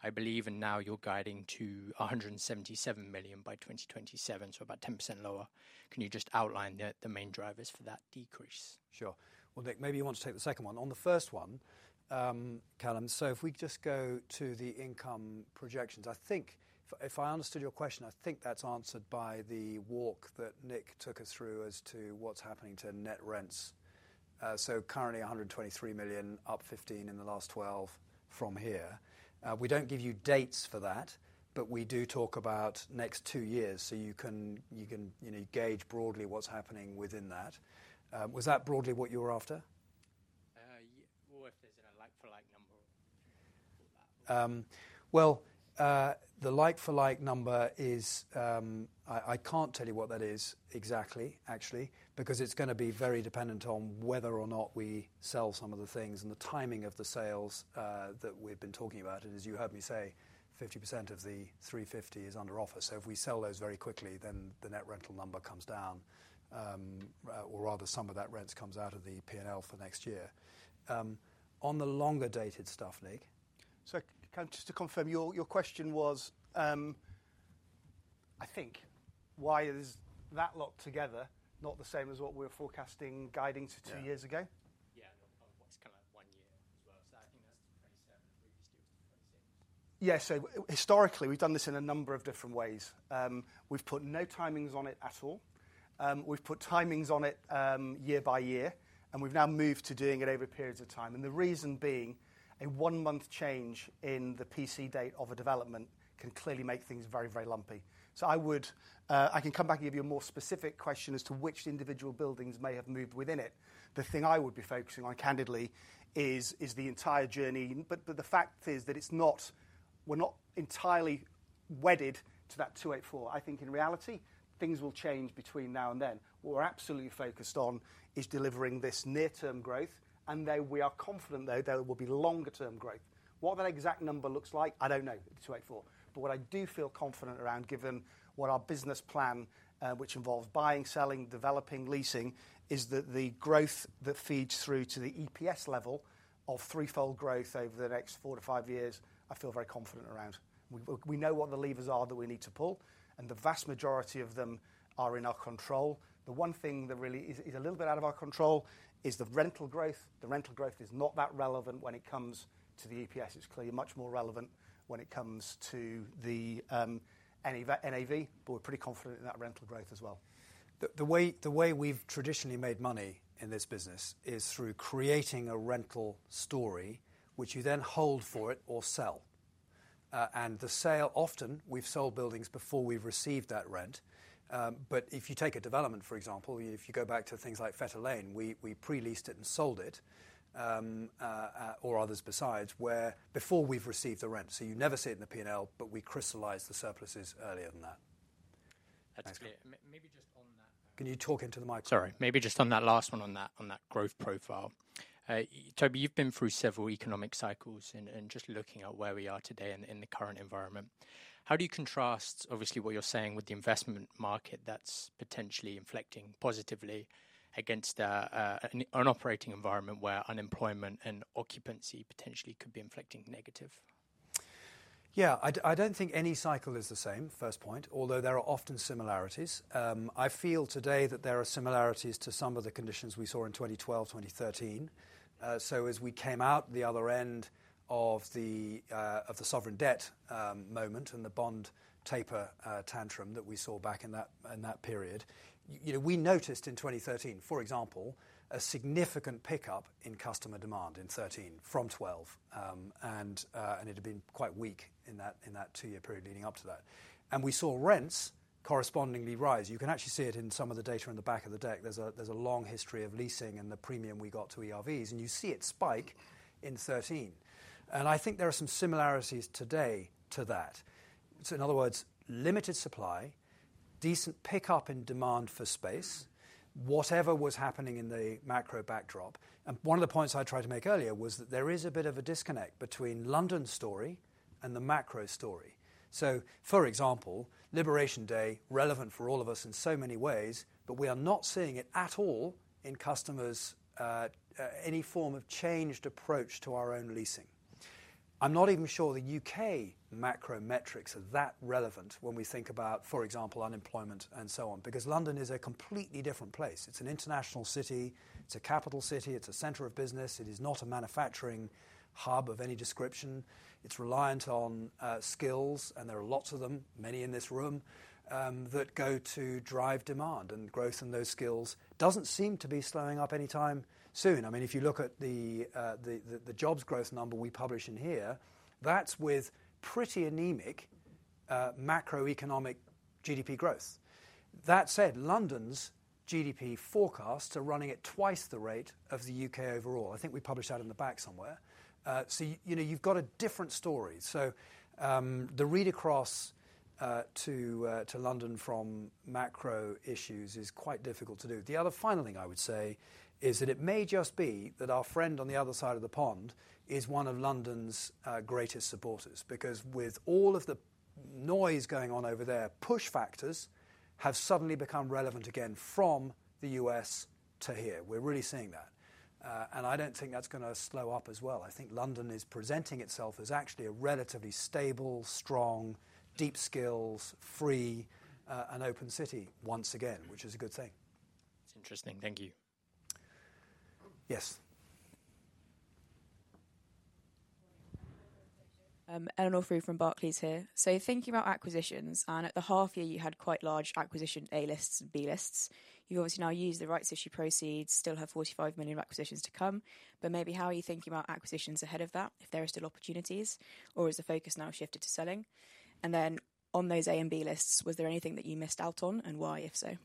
I believe, and now you're guiding to 177 million by 2027, so about 10% lower. Can you just outline the main drivers for that decrease? Sure. Nick, maybe you want to take the second one. On the first one, Callum, if we just go to the income projections, I think if I understood your question, I think that's answered by the walk that Nick took us through as to what's happening to net rents. Currently 123 million, up 15 in the last 12 from here. We don't give you dates for that, but we do talk about next two years, so you can gauge broadly what's happening within that. Was that broadly what you were after? What if there's a like-for-like number? The like-for-like number is I can't tell you what that is exactly, actually, because it's going to be very dependent on whether or not we sell some of the things. The timing of the sales that we've been talking about, as you heard me say, 50% of the 350 million is under offer. If we sell those very quickly, then the net rental number comes down, or rather some of that rent comes out of the P&L for next year. On the longer-dated stuff, Nick, Just to confirm, your question was, I think, why is that lot together not the same as what we were forecasting or guiding to two years ago? Yeah. It's kind of like one year as well. I think that's the 2027, and the previous deal was the 2026. Yeah. Historically, we've done this in a number of different ways. We've put no timings on it at all. We've put timings on it year by year, and we've now moved to doing it over periods of time. The reason being, a one-month change in the PC date of a development can clearly make things very, very lumpy. I can come back and give you a more specific question as to which individual buildings may have moved within it. The thing I would be focusing on, candidly, is the entire journey. The fact is that we're not entirely wedded to that 284. I think in reality, things will change between now and then. What we're absolutely focused on is delivering this near-term growth, and we are confident, though, there will be longer-term growth. What that exact number looks like, I don't know, the 284. What I do feel confident around, given what our business plan, which involves buying, selling, developing, leasing, is that the growth that feeds through to the EPS level of threefold growth over the next four to five years, I feel very confident around. We know what the levers are that we need to pull, and the vast majority of them are in our control. The one thing that really is a little bit out of our control is the rental growth. The rental growth is not that relevant when it comes to the EPS. It is clearly much more relevant when it comes to the NAV, but we are pretty confident in that rental growth as well. The way we have traditionally made money in this business is through creating a rental story, which you then hold for it or sell. The sale, often, we've sold buildings before we've received that rent. If you take a development, for example, if you go back to things like Fetter Lane, we pre-leased it and sold it, or others besides, before we've received the rent. You never see it in the P&L, but we crystallize the surpluses earlier than that. That's clear. Maybe just on that. Can you talk into the microphone? Sorry. Maybe just on that last one on that growth profile. Toby, you've been through several economic cycles and just looking at where we are today in the current environment. How do you contrast, obviously, what you're saying with the investment market that's potentially inflecting positively against an operating environment where unemployment and occupancy potentially could be inflecting negative? Yeah. I don't think any cycle is the same, first point, although there are often similarities. I feel today that there are similarities to some of the conditions we saw in 2012, 2013. As we came out the other end of the sovereign debt moment and the bond taper tantrum that we saw back in that period, we noticed in 2013, for example, a significant pickup in customer demand in 2013 from 2012. It had been quite weak in that two-year period leading up to that. We saw rents correspondingly rise. You can actually see it in some of the data in the back of the deck. There is a long history of leasing and the premium we got to ERVs, and you see it spike in 2013. I think there are some similarities today to that. In other words, limited supply, decent pickup in demand for space, whatever was happening in the macro backdrop. One of the points I tried to make earlier was that there is a bit of a disconnect between the London story and the macro story. For example, Liberation Day, relevant for all of us in so many ways, but we are not seeing it at all in customers' any form of changed approach to our own leasing. I'm not even sure the U.K. macro metrics are that relevant when we think about, for example, unemployment and so on, because London is a completely different place. It's an international city. It's a capital city. It's a center of business. It is not a manufacturing hub of any description. It's reliant on skills, and there are lots of them, many in this room, that go to drive demand. Growth in those skills doesn't seem to be slowing up anytime soon. I mean, if you look at the jobs growth number we publish in here, that's with pretty anaemic macroeconomic GDP growth. That said, London's GDP forecasts are running at twice the rate of the U.K. overall. I think we published that in the back somewhere. You have a different story. The read across to London from macro issues is quite difficult to do. The other final thing I would say is that it may just be that our friend on the other side of the pond is one of London's greatest supporters, because with all of the noise going on over there, push factors have suddenly become relevant again from the U.S. to here. We're really seeing that. I do not think that's going to slow up as well. I think London is presenting itself as actually a relatively stable, strong, deep skills, free, and open city once again, which is a good thing. Interesting. Thank you. Yes. Eleanor Frew from Barclays here. Thinking about acquisitions, and at the half-year, you had quite large acquisition A-lists and B-lists. You have obviously now used the rights issue proceeds, still have 45 million acquisitions to come. Maybe how are you thinking about acquisitions ahead of that, if there are still opportunities, or is the focus now shifted to selling? On those A and B lists, was there anything that you missed out on, and why, if so?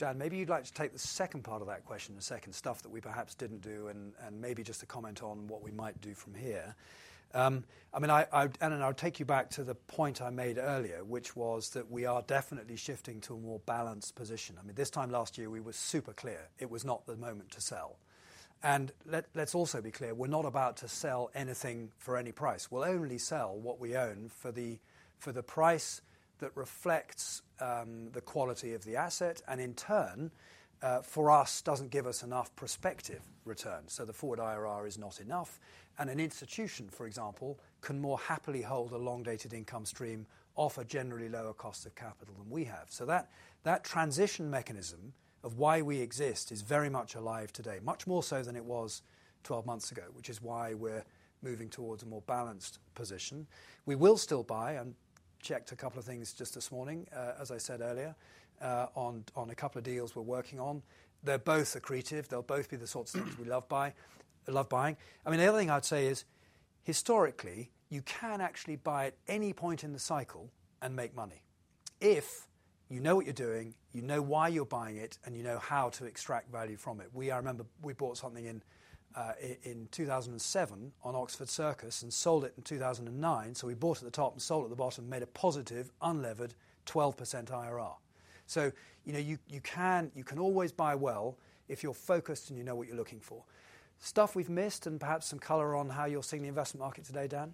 Dan, maybe you would like to take the second part of that question a second, stuff that we perhaps did not do, and maybe just a comment on what we might do from here. I mean, Eleanor, I'll take you back to the point I made earlier, which was that we are definitely shifting to a more balanced position. I mean, this time last year, we were super clear. It was not the moment to sell. Let's also be clear, we're not about to sell anything for any price. We'll only sell what we own for the price that reflects the quality of the asset, and in turn, for us, doesn't give us enough prospective returns. The forward IRR is not enough. An institution, for example, can more happily hold a long-dated income stream off a generally lower cost of capital than we have. That transition mechanism of why we exist is very much alive today, much more so than it was 12 months ago, which is why we're moving towards a more balanced position. We will still buy. I checked a couple of things just this morning, as I said earlier, on a couple of deals we're working on. They're both accretive. They'll both be the sorts of things we love buying. I mean, the other thing I'd say is, historically, you can actually buy at any point in the cycle and make money if you know what you're doing, you know why you're buying it, and you know how to extract value from it. I remember we bought something in 2007 on Oxford Circus and sold it in 2009. We bought at the top and sold at the bottom, made a positive, unlevered 12% IRR. You can always buy well if you're focused and you know what you're looking for. Stuff we've missed and perhaps some color on how you're seeing the investment market today, Dan?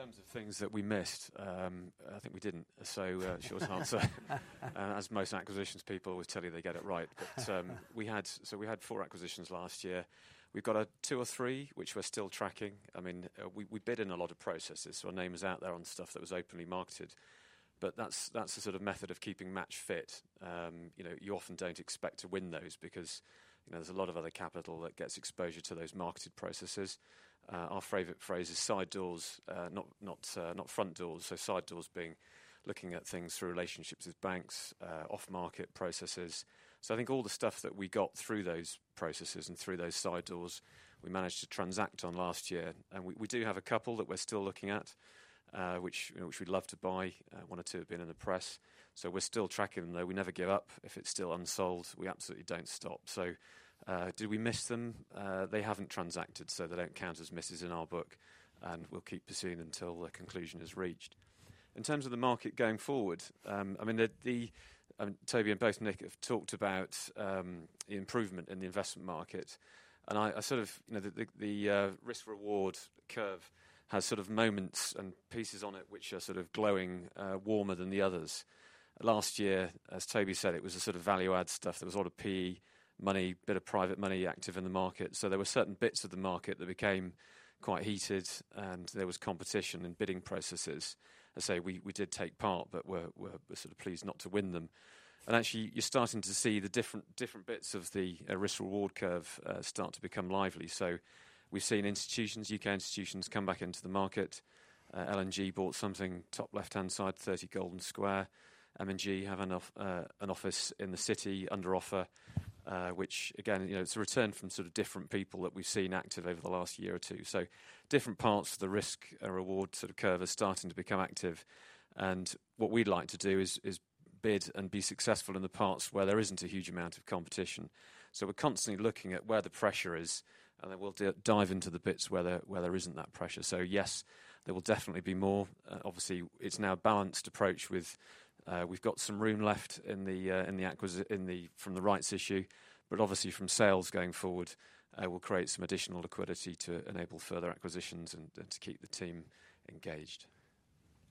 In terms of things that we missed, I think we didn't. Short answer. As most acquisitions people always tell you, they get it right. We had four acquisitions last year. We've got two or three which we're still tracking. I mean, we bid in a lot of processes. Our name is out there on stuff that was openly marketed. That's the sort of method of keeping match fit. You often don't expect to win those because there's a lot of other capital that gets exposure to those marketed processes. Our favorite phrase is side doors, not front doors. Side doors being looking at things through relationships with banks, off-market processes. I think all the stuff that we got through those processes and through those side doors, we managed to transact on last year. We do have a couple that we're still looking at, which we'd love to buy. One or two have been in the press. We're still tracking them. We never give up. If it's still unsold, we absolutely don't stop. Did we miss them? They haven't transacted, so they don't count as misses in our book. We'll keep pursuing until the conclusion is reached. In terms of the market going forward, I mean, Toby and Nick have talked about the improvement in the investment market. The risk-reward curve has moments and pieces on it which are glowing warmer than the others. Last year, as Toby said, it was value-add stuff. There was a lot of PE money, a bit of private money active in the market. There were certain bits of the market that became quite heated, and there was competition in bidding processes. We did take part, but we're sort of pleased not to win them. Actually, you're starting to see the different bits of the risk-reward curve start to become lively. We've seen U.K. institutions come back into the market. L&G bought something, top left-hand side, 30 Golden Square. M&G have an office in the city, under offer, which, again, it's a return from different people that we've seen active over the last year or two. Different parts of the risk-reward sort of curve are starting to become active. What we'd like to do is bid and be successful in the parts where there isn't a huge amount of competition. We're constantly looking at where the pressure is, and then we'll dive into the bits where there isn't that pressure. Yes, there will definitely be more. Obviously, it's now a balanced approach with we've got some room left in the rights issue, but obviously, from sales going forward, we'll create some additional liquidity to enable further acquisitions and to keep the team engaged.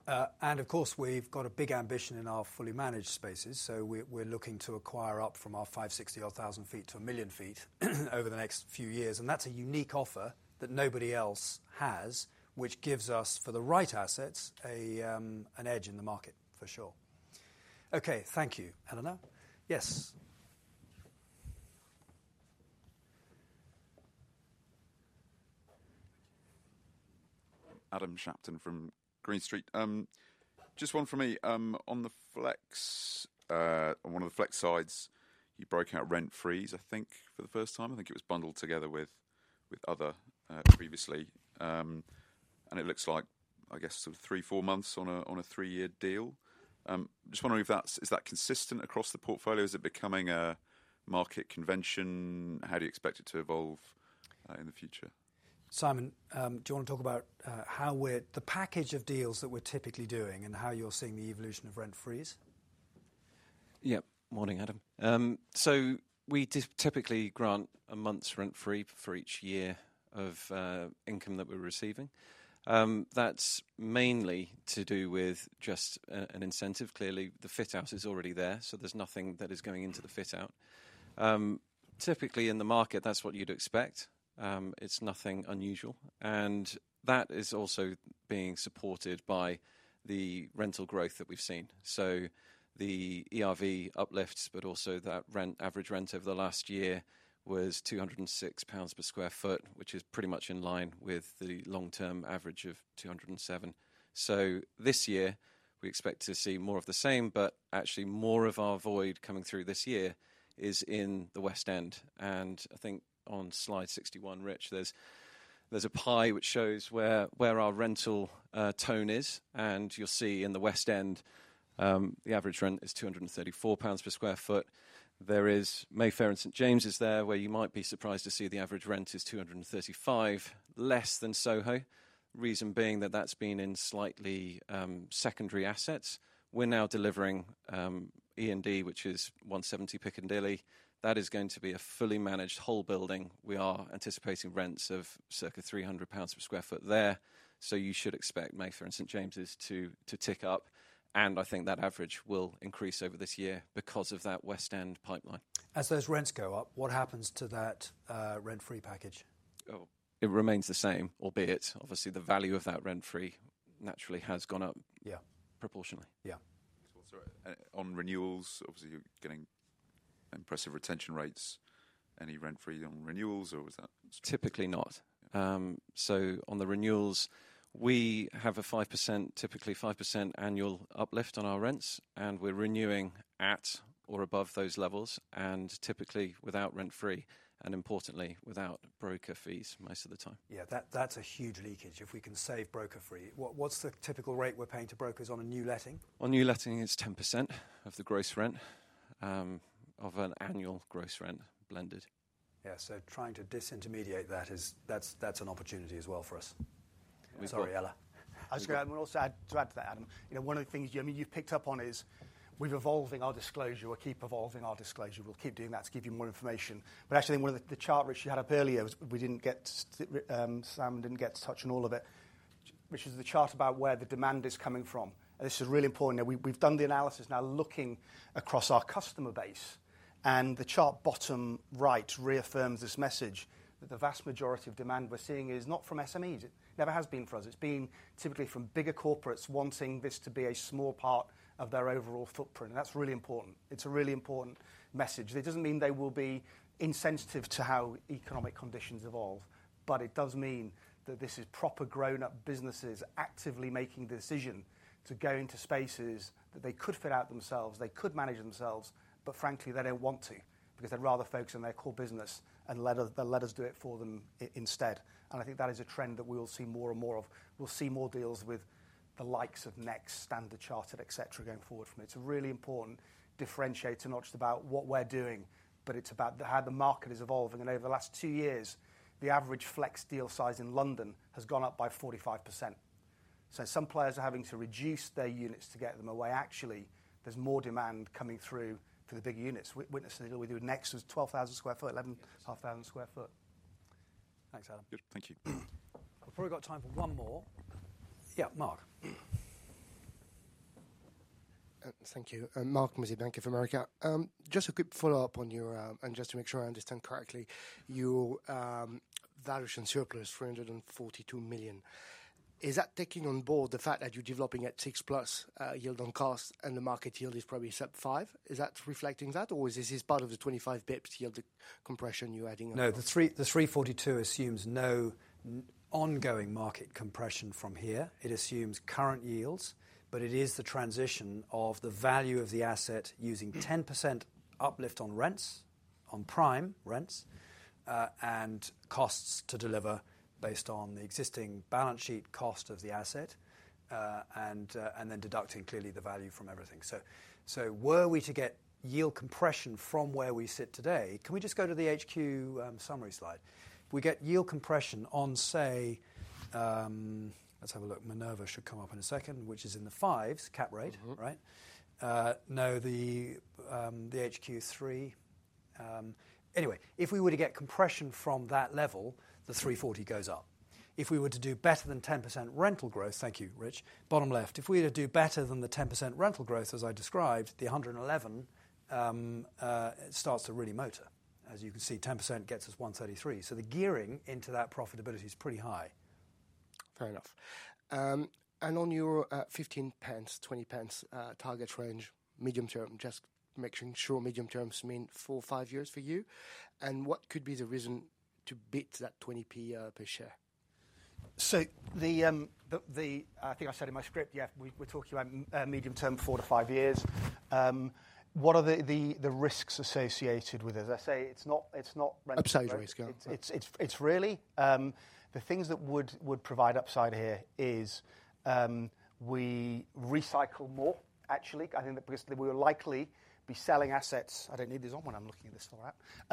Of course, we've got a big ambition in our Fully Managed spaces. We're looking to acquire up from our 560,000 or 1,000,000 sq ft over the next few years. That's a unique offer that nobody else has, which gives us, for the right assets, an edge in the market, for sure. Thank you, Eleanor. Yes. Adam Shapton from Green Street. Just one from me. On one of the Flex sides, you broke out rent free, I think, for the first time. I think it was bundled together with other previously. It looks like, I guess, sort of three, four months on a three-year deal. Just wondering if that's, is that consistent across the portfolio? Is it becoming a market convention? How do you expect it to evolve in the future? Simon, do you want to talk about the package of deals that we're typically doing and how you're seeing the evolution of rent free? Yeah. Morning, Adam. We typically grant a month's rent free for each year of income that we're receiving. That's mainly to do with just an incentive. Clearly, the fit-out is already there, so there's nothing that is going into the fit-out. Typically, in the market, that's what you'd expect. It's nothing unusual. That is also being supported by the rental growth that we've seen. The ERV uplifts, but also that average rent over the last year was 206 pounds per square foot, which is pretty much in line with the long-term average of 207. This year, we expect to see more of the same, but actually, more of our void coming through this year is in the West End. I think on slide 61, Rich, there's a pie which shows where our rental tone is. You'll see in the West End, the average rent is 234 pounds per square foot. Mayfair and St James's is there where you might be surprised to see the average rent is 235, less than Soho. The reason being that that's been in slightly secondary assets. We're now delivering E&D, which is 170 Piccadilly. That is going to be a Fully Managed whole building. We are anticipating rents of circa 300 pounds per square foot there. You should expect Mayfair and St James's to tick up. I think that average will increase over this year because of that West End pipeline. As those rents go up, what happens to that rent-free package? It remains the same, albeit obviously the value of that rent free naturally has gone up proportionally. Yeah. On renewals, obviously, you're getting impressive retention rates. Any rent-free on renewals, or is that? Typically not. On the renewals, we have a typically 5% annual uplift on our rents, and we're renewing at or above those levels, and typically without rent free and, importantly, without broker fees most of the time. Yeah. That's a huge leakage if we can save broker fee. What's the typical rate we're paying to brokers on a new letting? On new letting, it's 10% of the gross rent of an annual gross rent blended. Yeah. Trying to disintermediate that, that's an opportunity as well for us. Sorry, Ella. I was going to add to that, Adam. One of the things you've picked up on is we're evolving our disclosure. We'll keep evolving our disclosure. We'll keep doing that to give you more information. Actually, one of the charts, Rich, you had up earlier, we didn't get to—Simon didn't get to touch on all of it, which is the chart about where the demand is coming from. This is really important. We've done the analysis now looking across our customer base. The chart bottom right reaffirms this message that the vast majority of demand we're seeing is not from SMEs. It never has been for us. It's been typically from bigger corporates wanting this to be a small part of their overall footprint. That is really important. It's a really important message. It doesn't mean they will be insensitive to how economic conditions evolve, but it does mean that this is proper grown-up businesses actively making the decision to go into spaces that they could fit out themselves, they could manage themselves, but frankly, they don't want to because they'd rather focus on their core business and let us do it for them instead. I think that is a trend that we will see more and more of. We'll see more deals with the likes of Next, Standard Chartered, etc., going forward from it. It's a really important differentiator, not just about what we're doing, but it's about how the market is evolving. Over the last two years, the average Flex deal size in London has gone up by 45%. Some players are having to reduce their units to get them away. Actually, there is more demand coming through for the bigger units. Witnessing what we do at Next was 12,000 sq ft, 11,500 sq ft. Thanks, Adam. Thank you. We have probably got time for one more. Yeah, Mark. Thank you. Mark from Bank of America. Just a quick follow-up on your—and just to make sure I understand correctly—your valuation surplus, 342 million. Is that taking on board the fact that you are developing at 6% plus yield on cost and the market yield is probably set at 5%? Is that reflecting that, or is this part of the 25 basis points yield compression you are adding on? No, the 342 million assumes no ongoing market compression from here. It assumes current yields, but it is the transition of the value of the asset using 10% uplift on prime rents, and costs to deliver based on the existing balance sheet cost of the asset, and then deducting clearly the value from everything. Were we to get yield compression from where we sit today, can we just go to the HQ summary slide? We get yield compression on, say—let's have a look. Minerva should come up in a second, which is in the 5s, cap rate, right? No, the HQ 3. Anyway, if we were to get compression from that level, the 340 goes up. If we were to do better than 10% rental growth—thank you, Rich—bottom left, if we were to do better than the 10% rental growth, as I described, the 111 starts to really motor. As you can see, 10% gets us 133. The gearing into that profitability is pretty high. Fair enough. On your 0.15-0.20 target range, medium term, just making sure medium term means four, five years for you. What could be the reason to beat that 0.20 per share? I think I said in my script, yeah, we are talking about medium term, four to five years. What are the risks associated with it? As I say, it is not rental growth. Upside risk. The things that would provide upside here are if we recycle more, actually, because we will likely be selling assets—I do not need these on when I am looking at this all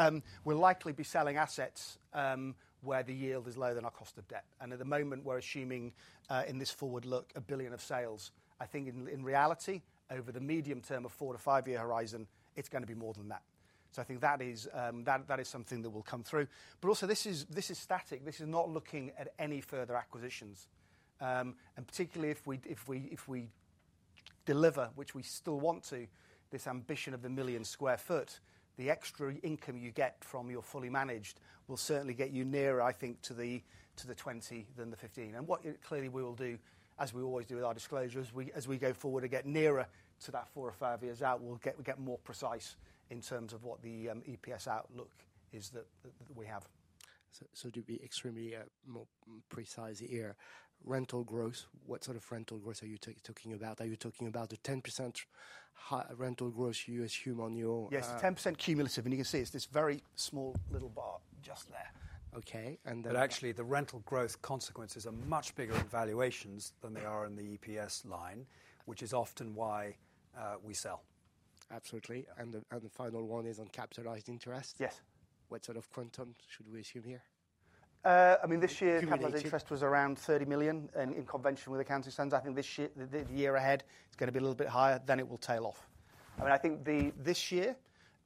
out. We will likely be selling assets where the yield is lower than our cost of debt. At the moment, we are assuming in this forward look, 1 billion of sales. I think in reality, over the medium term of four- to five-year horizon, it's going to be more than that. I think that is something that will come through. Also, this is static. This is not looking at any further acquisitions. Particularly if we deliver, which we still want to, this ambition of the 1,000,000 sq ft, the extra income you get from your Fully Managed will certainly get you nearer, I think, to the 20 than the 15. What clearly we will do, as we always do with our disclosures, as we go forward and get nearer to that four or five years out, we'll get more precise in terms of what the EPS outlook is that we have. To be extremely precise here, rental growth, what sort of rental growth are you talking about? Are you talking about the 10% rental growth you assume on your? Yes, 10% cumulative. You can see it's this very small little bar just there. Okay. Actually, the rental growth consequences are much bigger in valuations than they are in the EPS line, which is often why we sell. Absolutely. The final one is on capitalized interest. What sort of quantum should we assume here? I mean, this year, capitalized interest was around 30 million in convention with accounting standards. I think the year ahead, it's going to be a little bit higher. It will tail off. I mean, this year,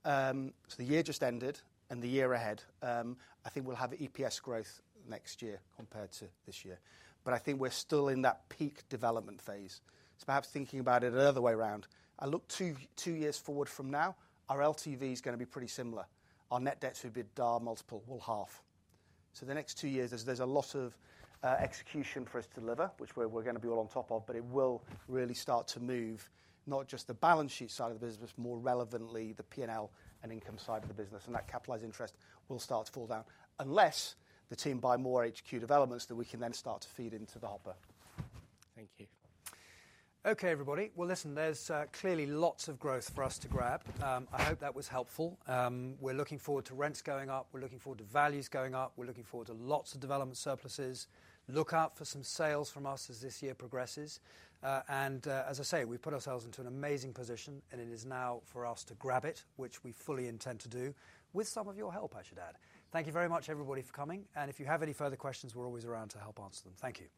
so the year just ended, and the year ahead, I think we'll have EPS growth next year compared to this year. I think we're still in that peak development phase. Perhaps thinking about it another way around, I look two years forward from now, our LTV is going to be pretty similar. Our net debt to EBITDA multiple will half. The next two years, there is a lot of execution for us to deliver, which we are going to be all on top of, but it will really start to move not just the balance sheet side of the business, but more relevantly, the P&L and income side of the business. That capitalized interest will start to fall down unless the team buy more HQ developments that we can then start to feed into the hopper. Thank you. Okay, everybody. Listen, there is clearly lots of growth for us to grab. I hope that was helpful. We are looking forward to rents going up. We are looking forward to values going up. We are looking forward to lots of development surpluses. Look out for some sales from us as this year progresses. As I say, we've put ourselves into an amazing position, and it is now for us to grab it, which we fully intend to do with some of your help, I should add. Thank you very much, everybody, for coming. If you have any further questions, we're always around to help answer them. Thank you.